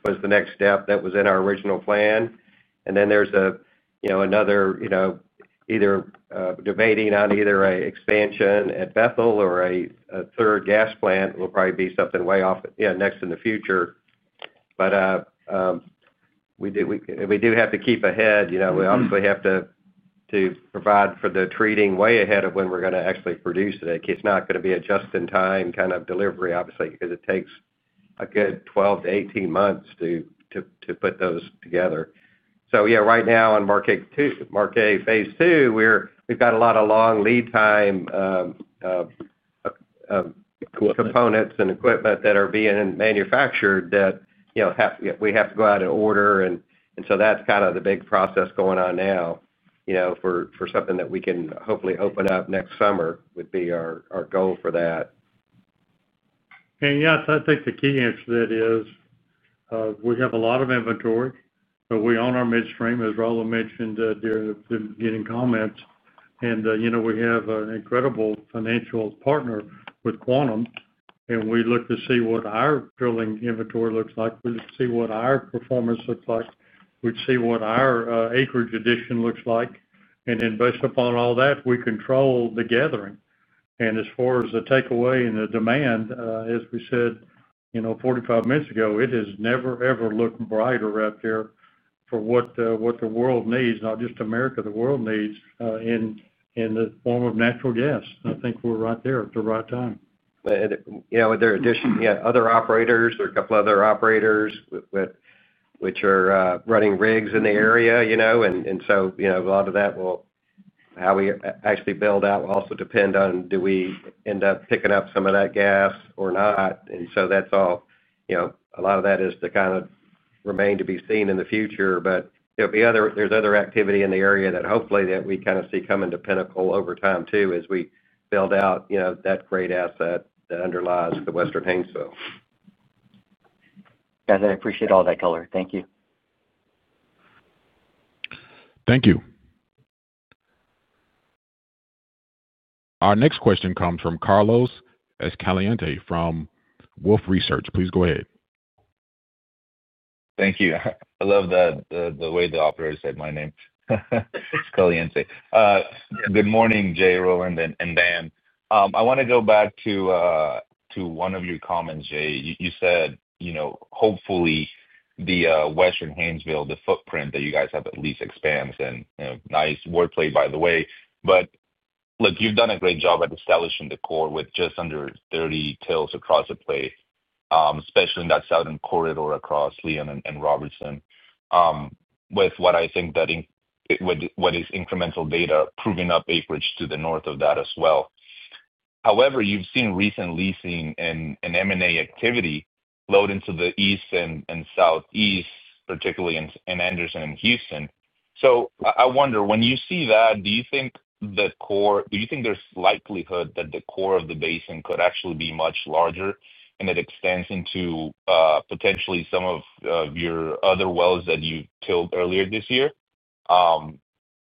was the next step that was in our original plan. And then there's another. Either debating on an expansion at Bethel or a third gas plant will probably be something way off next in the future. But we do have to keep ahead. We obviously have to provide for the treating way ahead of when we're going to actually produce it. It's not going to be a just-in-time kind of delivery, obviously, because it takes a good 12 to 18 months to put those together. So yeah, right now on Marquette 2, phase II, we've got a lot of long lead time components and equipment that are being manufactured that we have to go out and order. And so that's kind of the big process going on now for something that we can hopefully open up next summer would be our goal for that. And yes, I think the key answer to that is we have a lot of inventory. But we own our midstream, as Roland mentioned during the beginning comments. And we have an incredible financial partner with Quantum. And we look to see what our drilling inventory looks like. We look to see what our performance looks like. We see what our acreage addition looks like. And then based upon all that, we control the gathering. And as far as the takeaway and the demand, as we said 45 minutes ago, it has never, ever looked brighter out there for what the world needs, not just America. The world needs in the form of natural gas. And I think we're right there at the right time. Are there additional other operators? There are a couple of other operators which are running rigs in the area. And so a lot of that will. How we actually build out will also depend on do we end up picking up some of that gas or not. And so that's all. A lot of that is to kind of remain to be seen in the future. But there's other activity in the area that hopefully we kind of see come into Pinnacle over time too as we build out that great asset that underlies the Western Haynesville. Guys, I appreciate all that, color. Thank you. Thank you. Our next question comes from Carlos Escalante from Wolfe Research. Please go ahead. Thank you. I love the way the operator said my name. Escalante. Good morning, Jay, Roland, and Dan. I want to go back to one of your comments, Jay. You said hopefully the Western Haynesville, the footprint that you guys have at least expands. And nice wordplay, by the way. But look, you've done a great job at establishing the core with just under 30 wells across the play, especially in that southern corridor across Leon and Robertson. With what is incremental data proving up acreage to the north of that as well. However, you've seen recent leasing and M&A activity flow into the east and southeast, particularly in Anderson and Houston. So I wonder, when you see that, do you think the core—do you think there's likelihood that the core of the basin could actually be much larger and it extends into potentially some of your other wells that you drilled earlier this year?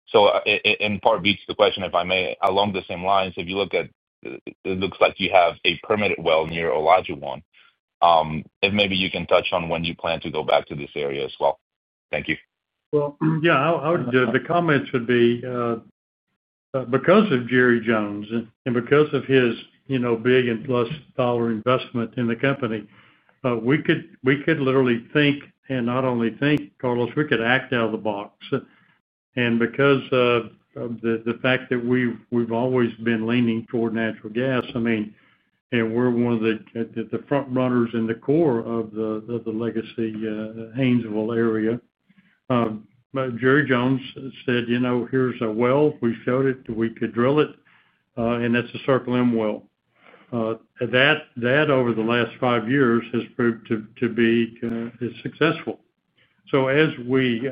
So in part, it begs the question, if I may, along the same lines, if you look at—it looks like you have a permitted well near Olajuwon. If maybe you can touch on when you plan to go back to this area as well. Thank you. Well, yeah, the comment should be because of Jerry Jones and because of his big and plus dollar investment in the company, we could literally think and not only think, Carlos, we could act out of the box. And because of the fact that we've always been leaning toward natural gas, I mean, and we're one of the front runners in the core of the Legacy Haynesville area. Jerry Jones said, "Here's a well. We showed it. We could drill it. And that's a Circle M well." That, over the last five years, has proved to be successful. So as we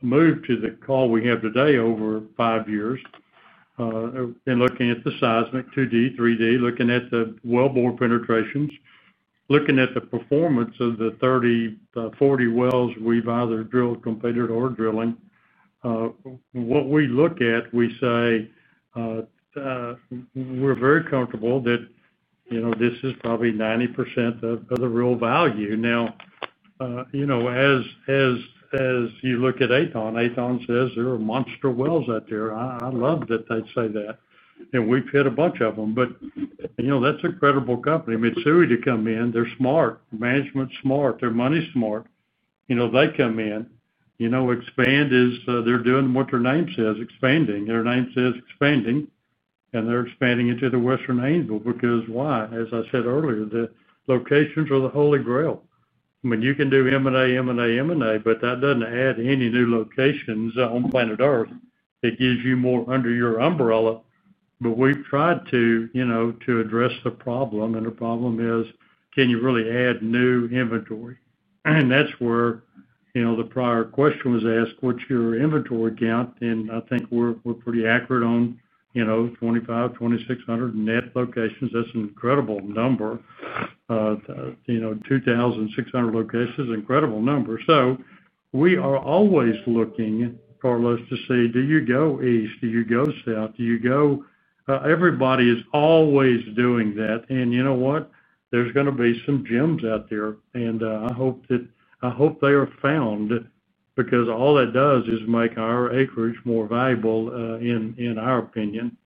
move to the call we have today over five years. And looking at the seismic 2D, 3D, looking at the wellbore penetrations, looking at the performance of the 30, 40 wells we've either drilled, completed, or drilling. What we look at, we say, "We're very comfortable that this is probably 90% of the real value." Now as you look at Aethon, Aethon says, "There are monster wells out there." I love that they say that. And we've hit a bunch of them. But that's a credible company. Mitsui to come in. They're smart. Management's smart. They're money-smart. They come in. Expand is they're doing what their name says, expanding. Their name says expanding. And they're expanding into the Western Haynesville. Because why? As I said earlier, the locations are the holy grail. I mean, you can do M&A, but that doesn't add any new locations on planet Earth. It gives you more under your umbrella. But we've tried to address the problem. And the problem is, can you really add new inventory? And that's where the prior question was asked, "What's your inventory count?" And I think we're pretty accurate on 2,500, 2,600 net locations. That's an incredible number. 2,600 locations. Incredible number. So we are always looking, Carlos, to see, "Do you go east? Do you go south? Do you go?" Everybody is always doing that. And you know what? There's going to be some gems out there. And I hope they are found. Because all that does is make our acreage more valuable, in our opinion.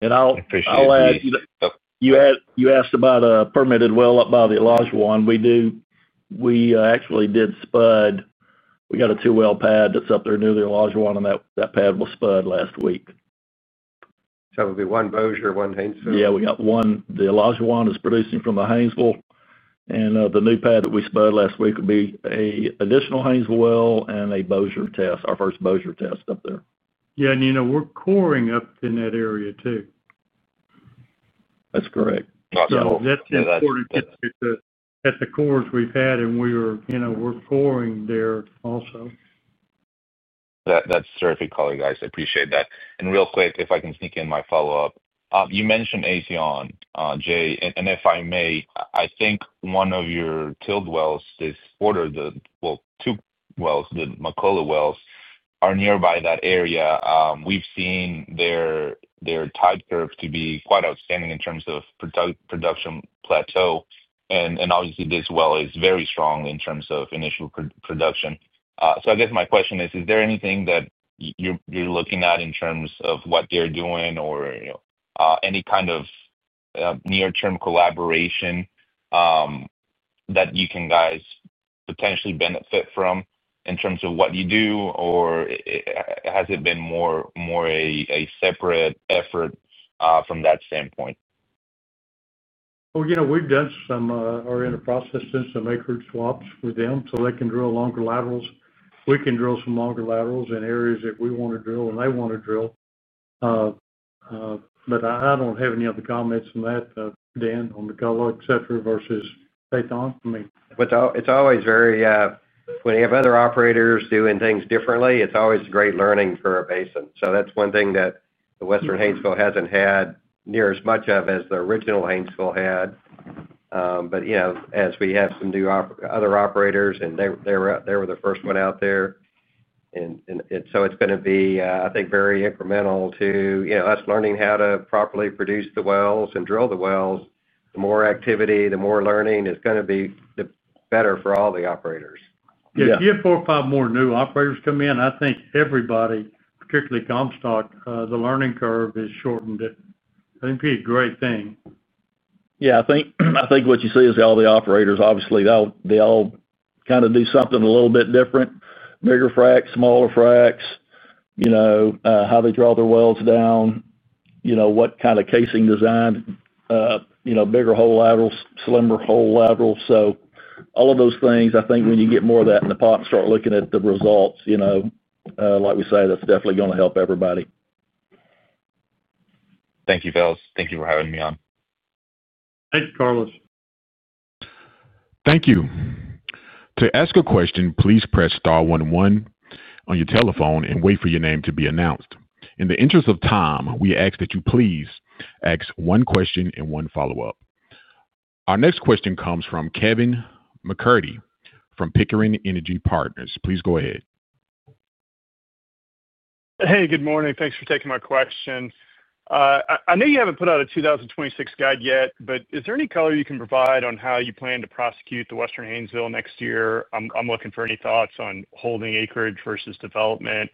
And I'll add. You asked about a permitted well up by the Olajuwon. We do. We actually did spud. We got a two-well pad that's up there near the Olajuwon, and that pad was spud last week. So it'll be one Bossier, one Haynesville? Yeah, we got one. The Olajuwon is producing from the Haynesville. And the new pad that we spud last week would be an additional Haynesville well and a Bossier test, our first Bossier test up there. Yeah. And we're coring up in that area too. That's correct. So that's important. At the cores we've had, and we're coring there also. That's terrific, Carlos. I appreciate that. And real quick, if I can sneak in my follow-up, you mentioned Aethon, Jay, and if I may, I think one of your drilled wells this quarter, well, two wells, the McCullough wells, are nearby that area. We've seen their type curve to be quite outstanding in terms of production plateau. And obviously, this well is very strong in terms of initial production. So I guess my question is, is there anything that. You're looking at in terms of what they're doing or. Any kind of. Near-term collaboration. That you guys can potentially benefit from in terms of what you do, or. Has it been more. A separate effort from that standpoint? Well, yeah, we've done some are in the process of some acreage swaps with them so they can drill longer laterals. We can drill some longer laterals in areas that we want to drill and they want to drill. But I don't have any other comments on that, Dan, on McCullough, etc., versus Aethon. I mean. It's always very, when you have other operators doing things differently, it's always great learning for a basin. So that's one thing that the Western Haynesville hasn't had near as much of as the original Haynesville had. But as we have some other operators, and they were the first one out there. And so it's going to be, I think, very incremental to us learning how to properly produce the wells and drill the wells. The more activity, the more learning, it's going to be better for all the operators. Yeah. If four or five more new operators come in, I think everybody, particularly Comstock, the learning curve is shortened. I think it'd be a great thing. Yeah. I think what you see is all the operators, obviously, they all kind of do something a little bit different: bigger fracs, smaller fracs. How they draw their wells down. What kind of casing design. Bigger hole laterals, slimmer hole laterals. So all of those things, I think when you get more of that in the pot and start looking at the results. Like we say, that's definitely going to help everybody. Thank you, fellas. Thank you for having me on. Thanks, Carlos. Thank you. To ask a question, please press star 11 on your telephone and wait for your name to be announced. In the interest of time, we ask that you please ask one question and one follow-up. Our next question comes from Kevin McCurdy from Pickering Energy Partners. Please go ahead. Hey, good morning. Thanks for taking my question. I know you haven't put out a 2026 guide yet, but is there any color you can provide on how you plan to prosecute the Western Haynesville next year? I'm looking for any thoughts on holding acreage versus development.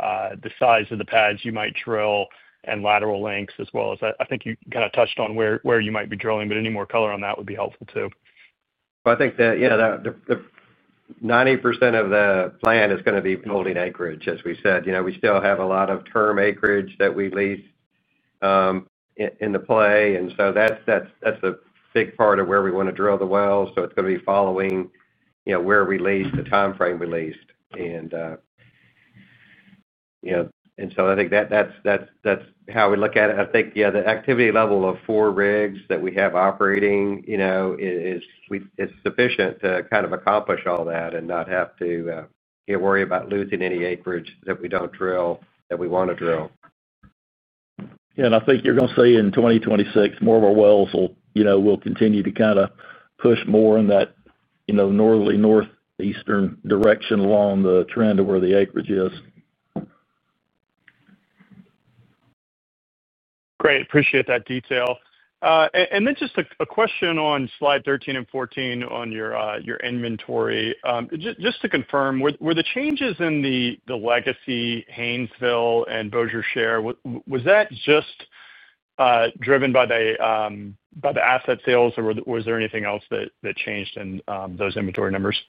The size of the pads you might drill, and lateral lengths, as well as I think you kind of touched on where you might be drilling, but any more color on that would be helpful too. Well, I think that, yeah, 90% of the plan is going to be holding acreage, as we said. We still have a lot of term acreage that we lease. In the play. And so that's a big part of where we want to drill the wells. So it's going to be following. Where we lease, the timeframe we leased. And. So I think that's how we look at it. I think, yeah, the activity level of four rigs that we have operating. Is sufficient to kind of accomplish all that and not have to. Worry about losing any acreage that we don't drill that we want to drill. Yeah. And I think you're going to see in 2026, more of our wells will continue to kind of push more in that. Northern, eastern direction along the trend of where the acreage is. Great. Appreciate that detail. And then just a question on slide 13 and 14 on your inventory. Just to confirm, were the changes in the Legacy Haynesville and Bossier share, was that just. Driven by the asset sales, or was there anything else that changed in those inventory numbers?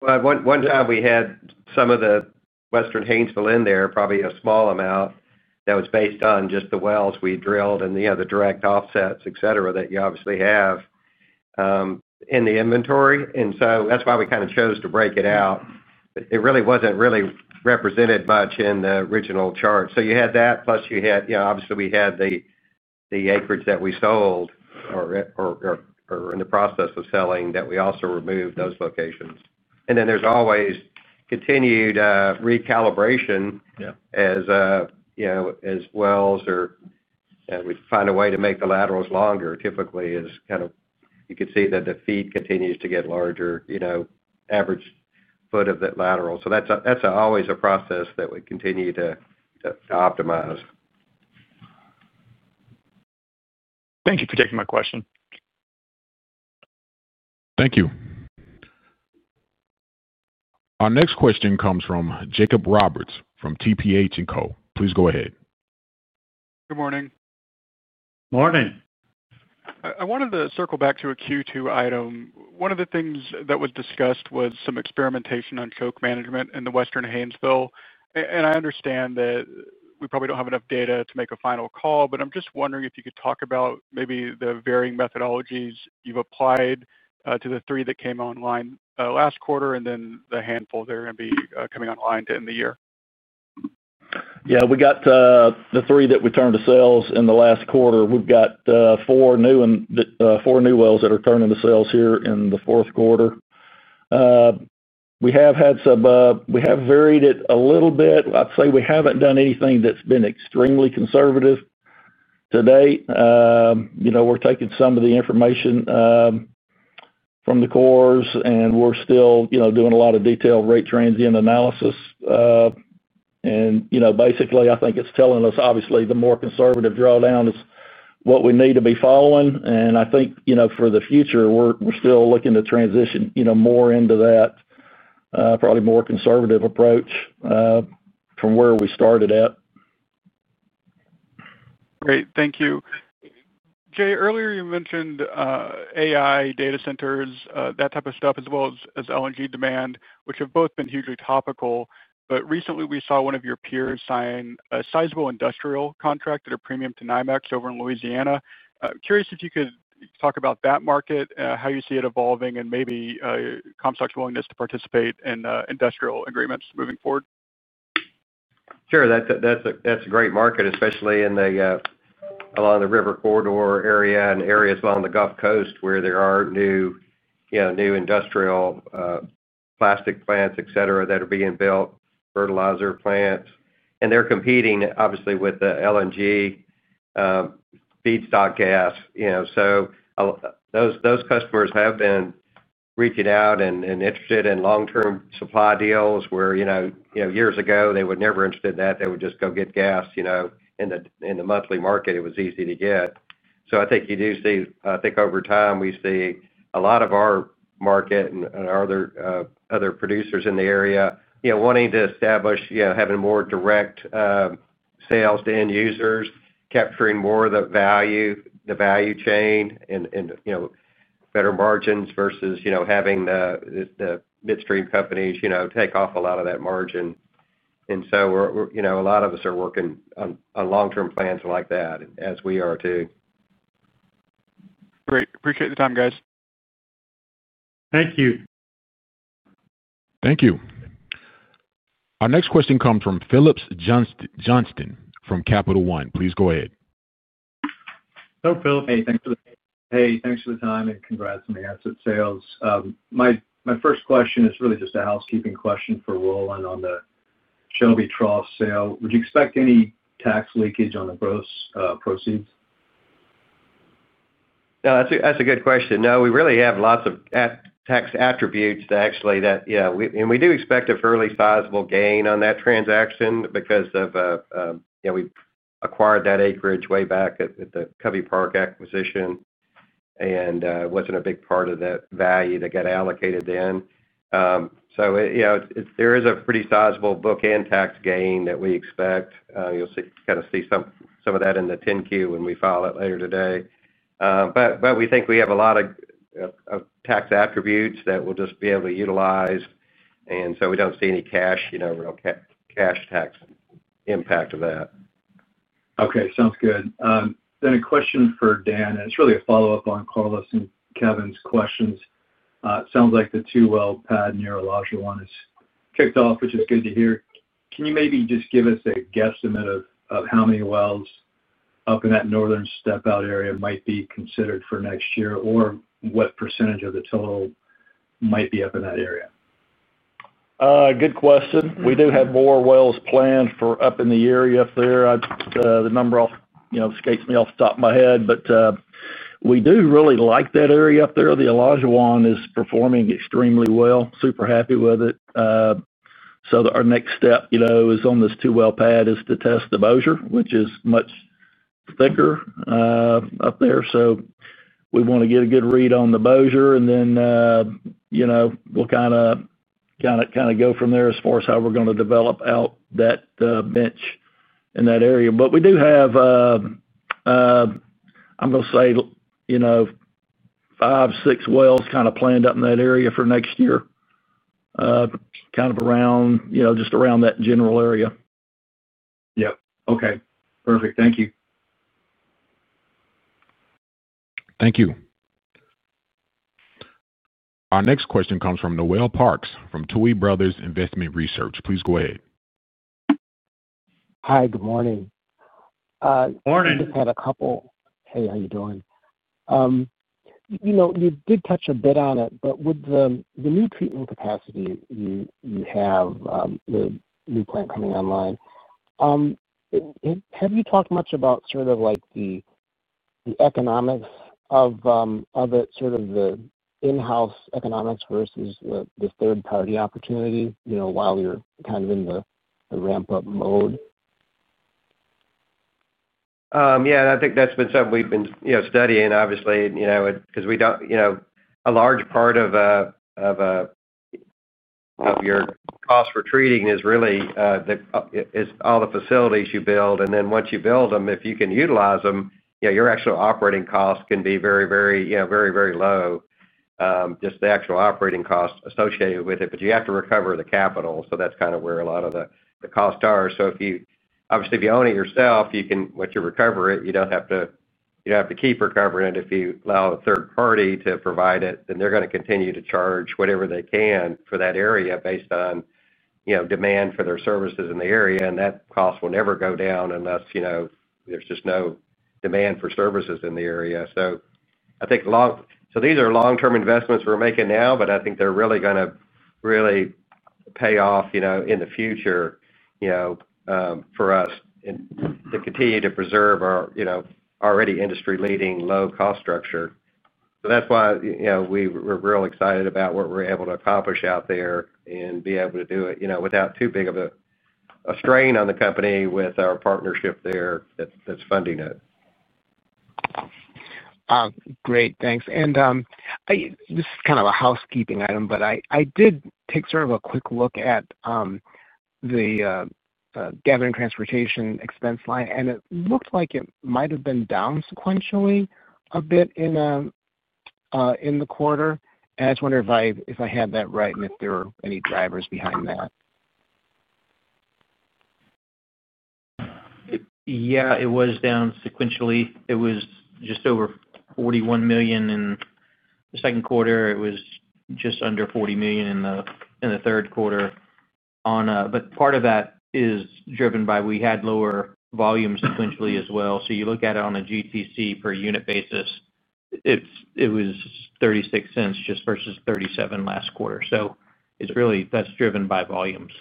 Well, one time we had some of the Western Haynesville in there, probably a small amount that was based on just the wells we drilled and the direct offsets, etc., that you obviously have. In the inventory. And so that's why we kind of chose to break it out. It really wasn't really represented much in the original chart. So you had that, plus you had, obviously, we had the. Acreage that we sold. Or in the process of selling that we also removed those locations. And then there's always continued recalibration as wells we find a way to make the laterals longer, typically, is kind of you could see that the feet continues to get larger. Average foot of that lateral. So that's always a process that we continue to optimize. Thank you for taking my question. Thank you. Our next question comes from Jacob Roberts from TPH&Co. Please go ahead. Good morning. Morning. I wanted to circle back to a Q2 item. One of the things that was discussed was some experimentation on choke management in the Western Haynesville. And I understand that we probably don't have enough data to make a final call, but I'm just wondering if you could talk about maybe the varying methodologies you've applied to the three that came online last quarter and then the handful that are going to be coming online to end the year. Yeah. We got the three that we turned to sales in the last quarter. We've got four new wells that are turning to sales here in the fourth quarter. We have had some we have varied it a little bit. I'd say we haven't done anything that's been extremely conservative to date. We're taking some of the information from the cores, and we're still doing a lot of detailed rate transient analysis. And basically, I think it's telling us, obviously, the more conservative drawdown is what we need to be following. And I think for the future, we're still looking to transition more into that probably more conservative approach from where we started at. Great. Thank you. Jay, earlier you mentioned AI data centers, that type of stuff, as well as LNG demand, which have both been hugely topical. But recently, we saw one of your peers sign a sizable industrial contract at a premium to NYMEX over in Louisiana. Curious if you could talk about that market, how you see it evolving, and maybe Comstock's willingness to participate in industrial agreements moving forward. Sure. That's a great market, especially along the River Corridor area and areas along the Gulf Coast where there are new industrial plastic plants, etc., that are being built, fertilizer plants. And they're competing, obviously, with the LNG feedstock gas. So those customers have been reaching out and interested in long-term supply deals where years ago they were never interested in that. They would just go get gas in the monthly market, it was easy to get. So I think you do see I think over time we see a lot of our market and our other producers in the area wanting to establish having more direct sales to end users, capturing more of the value, the value chain, and better margins versus having the midstream companies take off a lot of that margin. And so a lot of us are working on long-term plans like that, as we are too. Great. Appreciate the time, guys. Thank you. Thank you. Our next question comes from Phillips Johnston from Capital One. Please go ahead. Hello, Phillips. Hey, thanks for the time, and congrats on the asset sales. My first question is really just a housekeeping question for Roland on the Shelby Trough sale. Would you expect any tax leakage on the gross proceeds? That's a good question. No, we really have lots of tax attributes to actually that—yeah. And we do expect a fairly sizable gain on that transaction because of. We acquired that acreage way back with the Covey Park acquisition. And it wasn't a big part of that value that got allocated then. So there is a pretty sizable bookend tax gain that we expect. You'll kind of see some of that in the 10-Q when we file it later today. But we think we have a lot of. Tax attributes that we'll just be able to utilize. And so we don't see any cash. Tax impact of that. Okay. Sounds good. Then a question for Dan, and it's really a follow-up on Carlos and Kevin's questions. It sounds like the two-well pad near Olajuwon is kicked off, which is good to hear. Can you maybe just give us a guesstimate of how many wells up in that northern step-out area might be considered for next year, or what percentage of the total might be up in that area? Good question. We do have more wells planned for up in the area up there. The number. Escapes me off the top of my head, but. We do really like that area up there. The Olajuwon is performing extremely well. Super happy with it. So our next step is on this two-well pad is to test the Bossier, which is much thicker. Up there. So we want to get a good read on the Bossier, and then. We'll kind of. Kind of go from there as far as how we're going to develop out that. Bench in that area. But we do have. I'm going to say. Five, six wells kind of planned up in that area for next year. Kind of just around that general area. Yep. Okay. Perfect. Thank you. Thank you. Our next question comes from Noel Parks from Tuohy Brothers Investment Research. Please go ahead. Hi. Good morning. Morning. I just had a couple—hey, how you doing? You did touch a bit on it, but with the new treatment capacity you have, the new plant coming online. Have you talked much about sort of the. Economics of. It? Sort of the in-house economics versus the third-party opportunity while you're kind of in the ramp-up mode? Yeah. I think that's been something we've been studying, obviously, because we don't—a large part of. Your cost for treating is really. All the facilities you build. And then once you build them, if you can utilize them, your actual operating costs can be very, very, very, very low. Just the actual operating cost associated with it. But you have to recover the capital. So that's kind of where a lot of the costs are. So obviously, if you own it yourself, you can recover it. You don't have to. Keep recovering it. If you allow a third party to provide it, then they're going to continue to charge whatever they can for that area based on. Demand for their services in the area. And that cost will never go down unless. There's just no demand for services in the area. So I think. So these are long-term investments we're making now, but I think they're really going to really pay off in the future. For us. To continue to preserve our already industry-leading low-cost structure. So that's why we're real excited about what we're able to accomplish out there and be able to do it without too big of a strain on the company with our partnership there that's funding it. Great. Thanks. And. This is kind of a housekeeping item, but I did take sort of a quick look at. The. Gathering transportation expense line, and it looked like it might have been down sequentially a bit in. The quarter. And I just wonder if I had that right and if there were any drivers behind that. Yeah. It was down sequentially. It was just over $41 million in the second quarter. It was just under $40 million in the third quarter. But part of that is driven by we had lower volumes sequentially as well. So you look at it on a GTC per unit basis. It was $0.36 just versus $0.37 last quarter. So that's driven by volumes.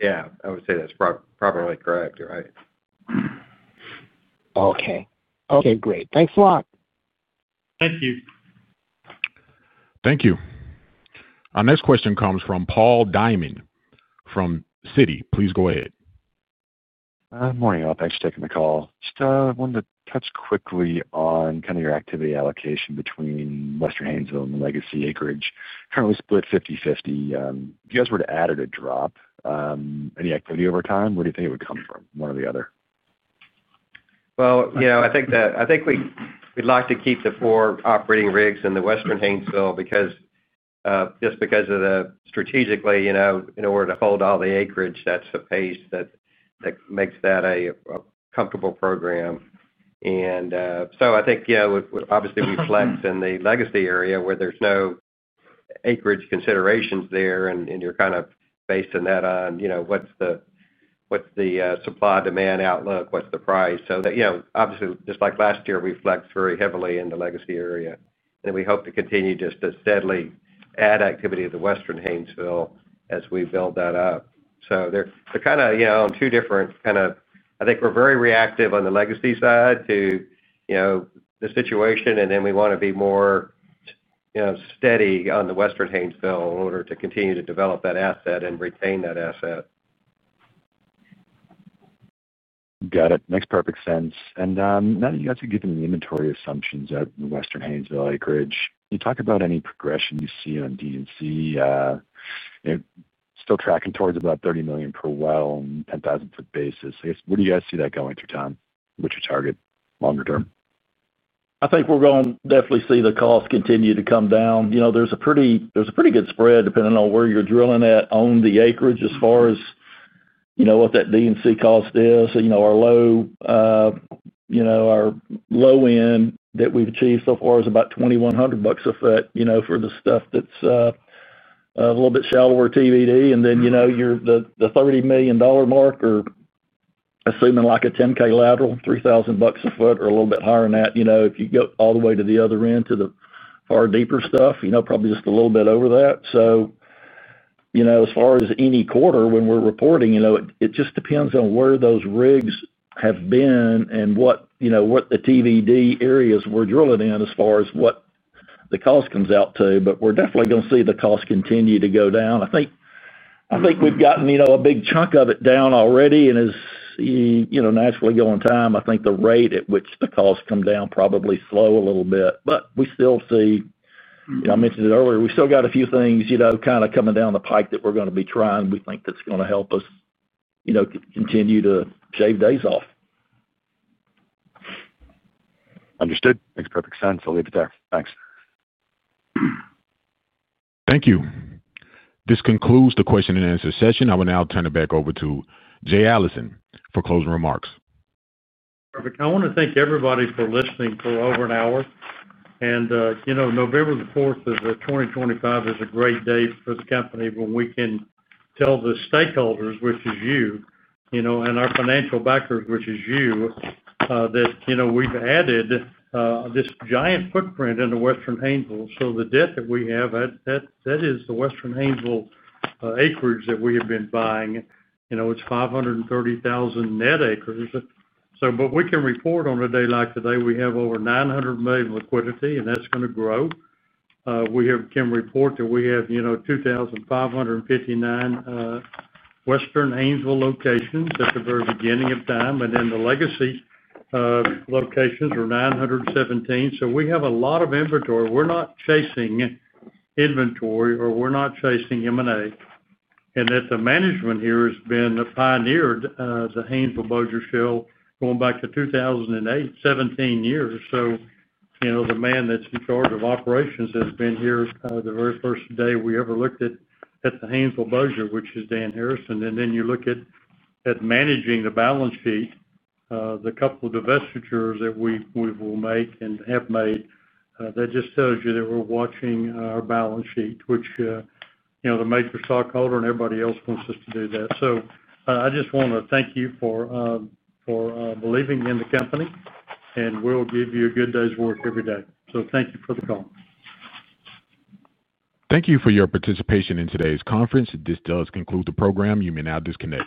Yeah. I would say that's probably correct, right? Okay. Okay. Great. Thanks a lot. Thank you. Thank you. Our next question comes from Paul Diamond from Citi. Please go ahead. Good morning, y'all. Thanks for taking the call. Just wanted to touch quickly on kind of your activity allocation between Western Haynesville and the legacy acreage. Currently split 50/50. If you guys were to add or drop. Any activity over time, where do you think it would come from, one or the other? Well, I think we'd like to keep the four operating rigs in the Western Haynesville just. Because of the strategically, in order to hold all the acreage, that's a pace that makes that a comfortable program. And so I think it would obviously reflect in the legacy area where there's no. Acreage considerations there, and you're kind of basing that on what's the. Supply-demand outlook, what's the price. So. Obviously, just like last year, we flexed very heavily in the legacy area. And we hope to continue just to steadily add activity to the Western Haynesville as we build that up. So they're kind of on two different kind of—I think we're very reactive on the legacy side to. The situation, and then we want to be more. Steady on the Western Haynesville in order to continue to develop that asset and retain that asset. Got it. Makes perfect sense. And now that you guys have given the inventory assumptions of the Western Haynesville acreage, can you talk about any progression you see on D&C? Still tracking towards about $30 million per well on a 10,000-foot basis. I guess, where do you guys see that going through time? What's your target longer term? I think we're going to definitely see the cost continue to come down. There's a pretty good spread depending on where you're drilling at on the acreage as far as. What that D&C cost is. Our low end that we've achieved so far is about $21,000 a foot for the stuff that's a little bit shallower TVD. And then the $30 million mark or. Assuming like a 10,000 lateral, $3,000 a foot or a little bit higher than that. If you go all the way to the other end to the far deeper stuff, probably just a little bit over that. So. As far as any quarter when we're reporting, it just depends on where those rigs have been and what the TVD areas we're drilling in as far as what the cost comes out to. But we're definitely going to see the cost continue to go down. I think. We've gotten a big chunk of it down already. And as. Naturally go in time, I think the rate at which the costs come down probably slow a little bit. But we still see. I mentioned it earlier. We still got a few things kind of coming down the pike that we're going to be trying. We think that's going to help us. Continue to shave days off. Understood. Makes perfect sense. I'll leave it there. Thanks. Thank you. This concludes the question and answer session. I will now turn it back over to Jay Allison for closing remarks. Perfect. I want to thank everybody for listening for over an hour. And November the 4th of 2025 is a great day for the company when we can tell the stakeholders, which is you. And our financial backers, which is you. That we've added. This giant footprint in the Western Haynesville. So the debt that we have, that is the Western Haynesville. Acreage that we have been buying. It's 530,000 net acres. But we can report on a day like today, we have over $900 million liquidity, and that's going to grow. We can report that we have 2,559 Western Haynesville locations at the very beginning of time. And then the legacy. Locations are 917. So we have a lot of inventory. We're not chasing. Inventory or we're not chasing M&A. And that the management here has been pioneered the Haynesville-Bossier Shale going back to 2008, 17 years. So. The man that's in charge of operations has been here. The very first day we ever looked at the Haynesville-Bossier, which is Dan Harrison. And then you look at managing the balance sheet, the couple of divestitures that we will make and have made, that just tells you that we're watching our balance sheet, which the major stockholder and everybody else wants us to do that. So I just want to thank you for believing in the company, and we'll give you a good day's work every day. So thank you for the call. Thank you for your participation in today's conference. This does conclude the program. You may now disconnect.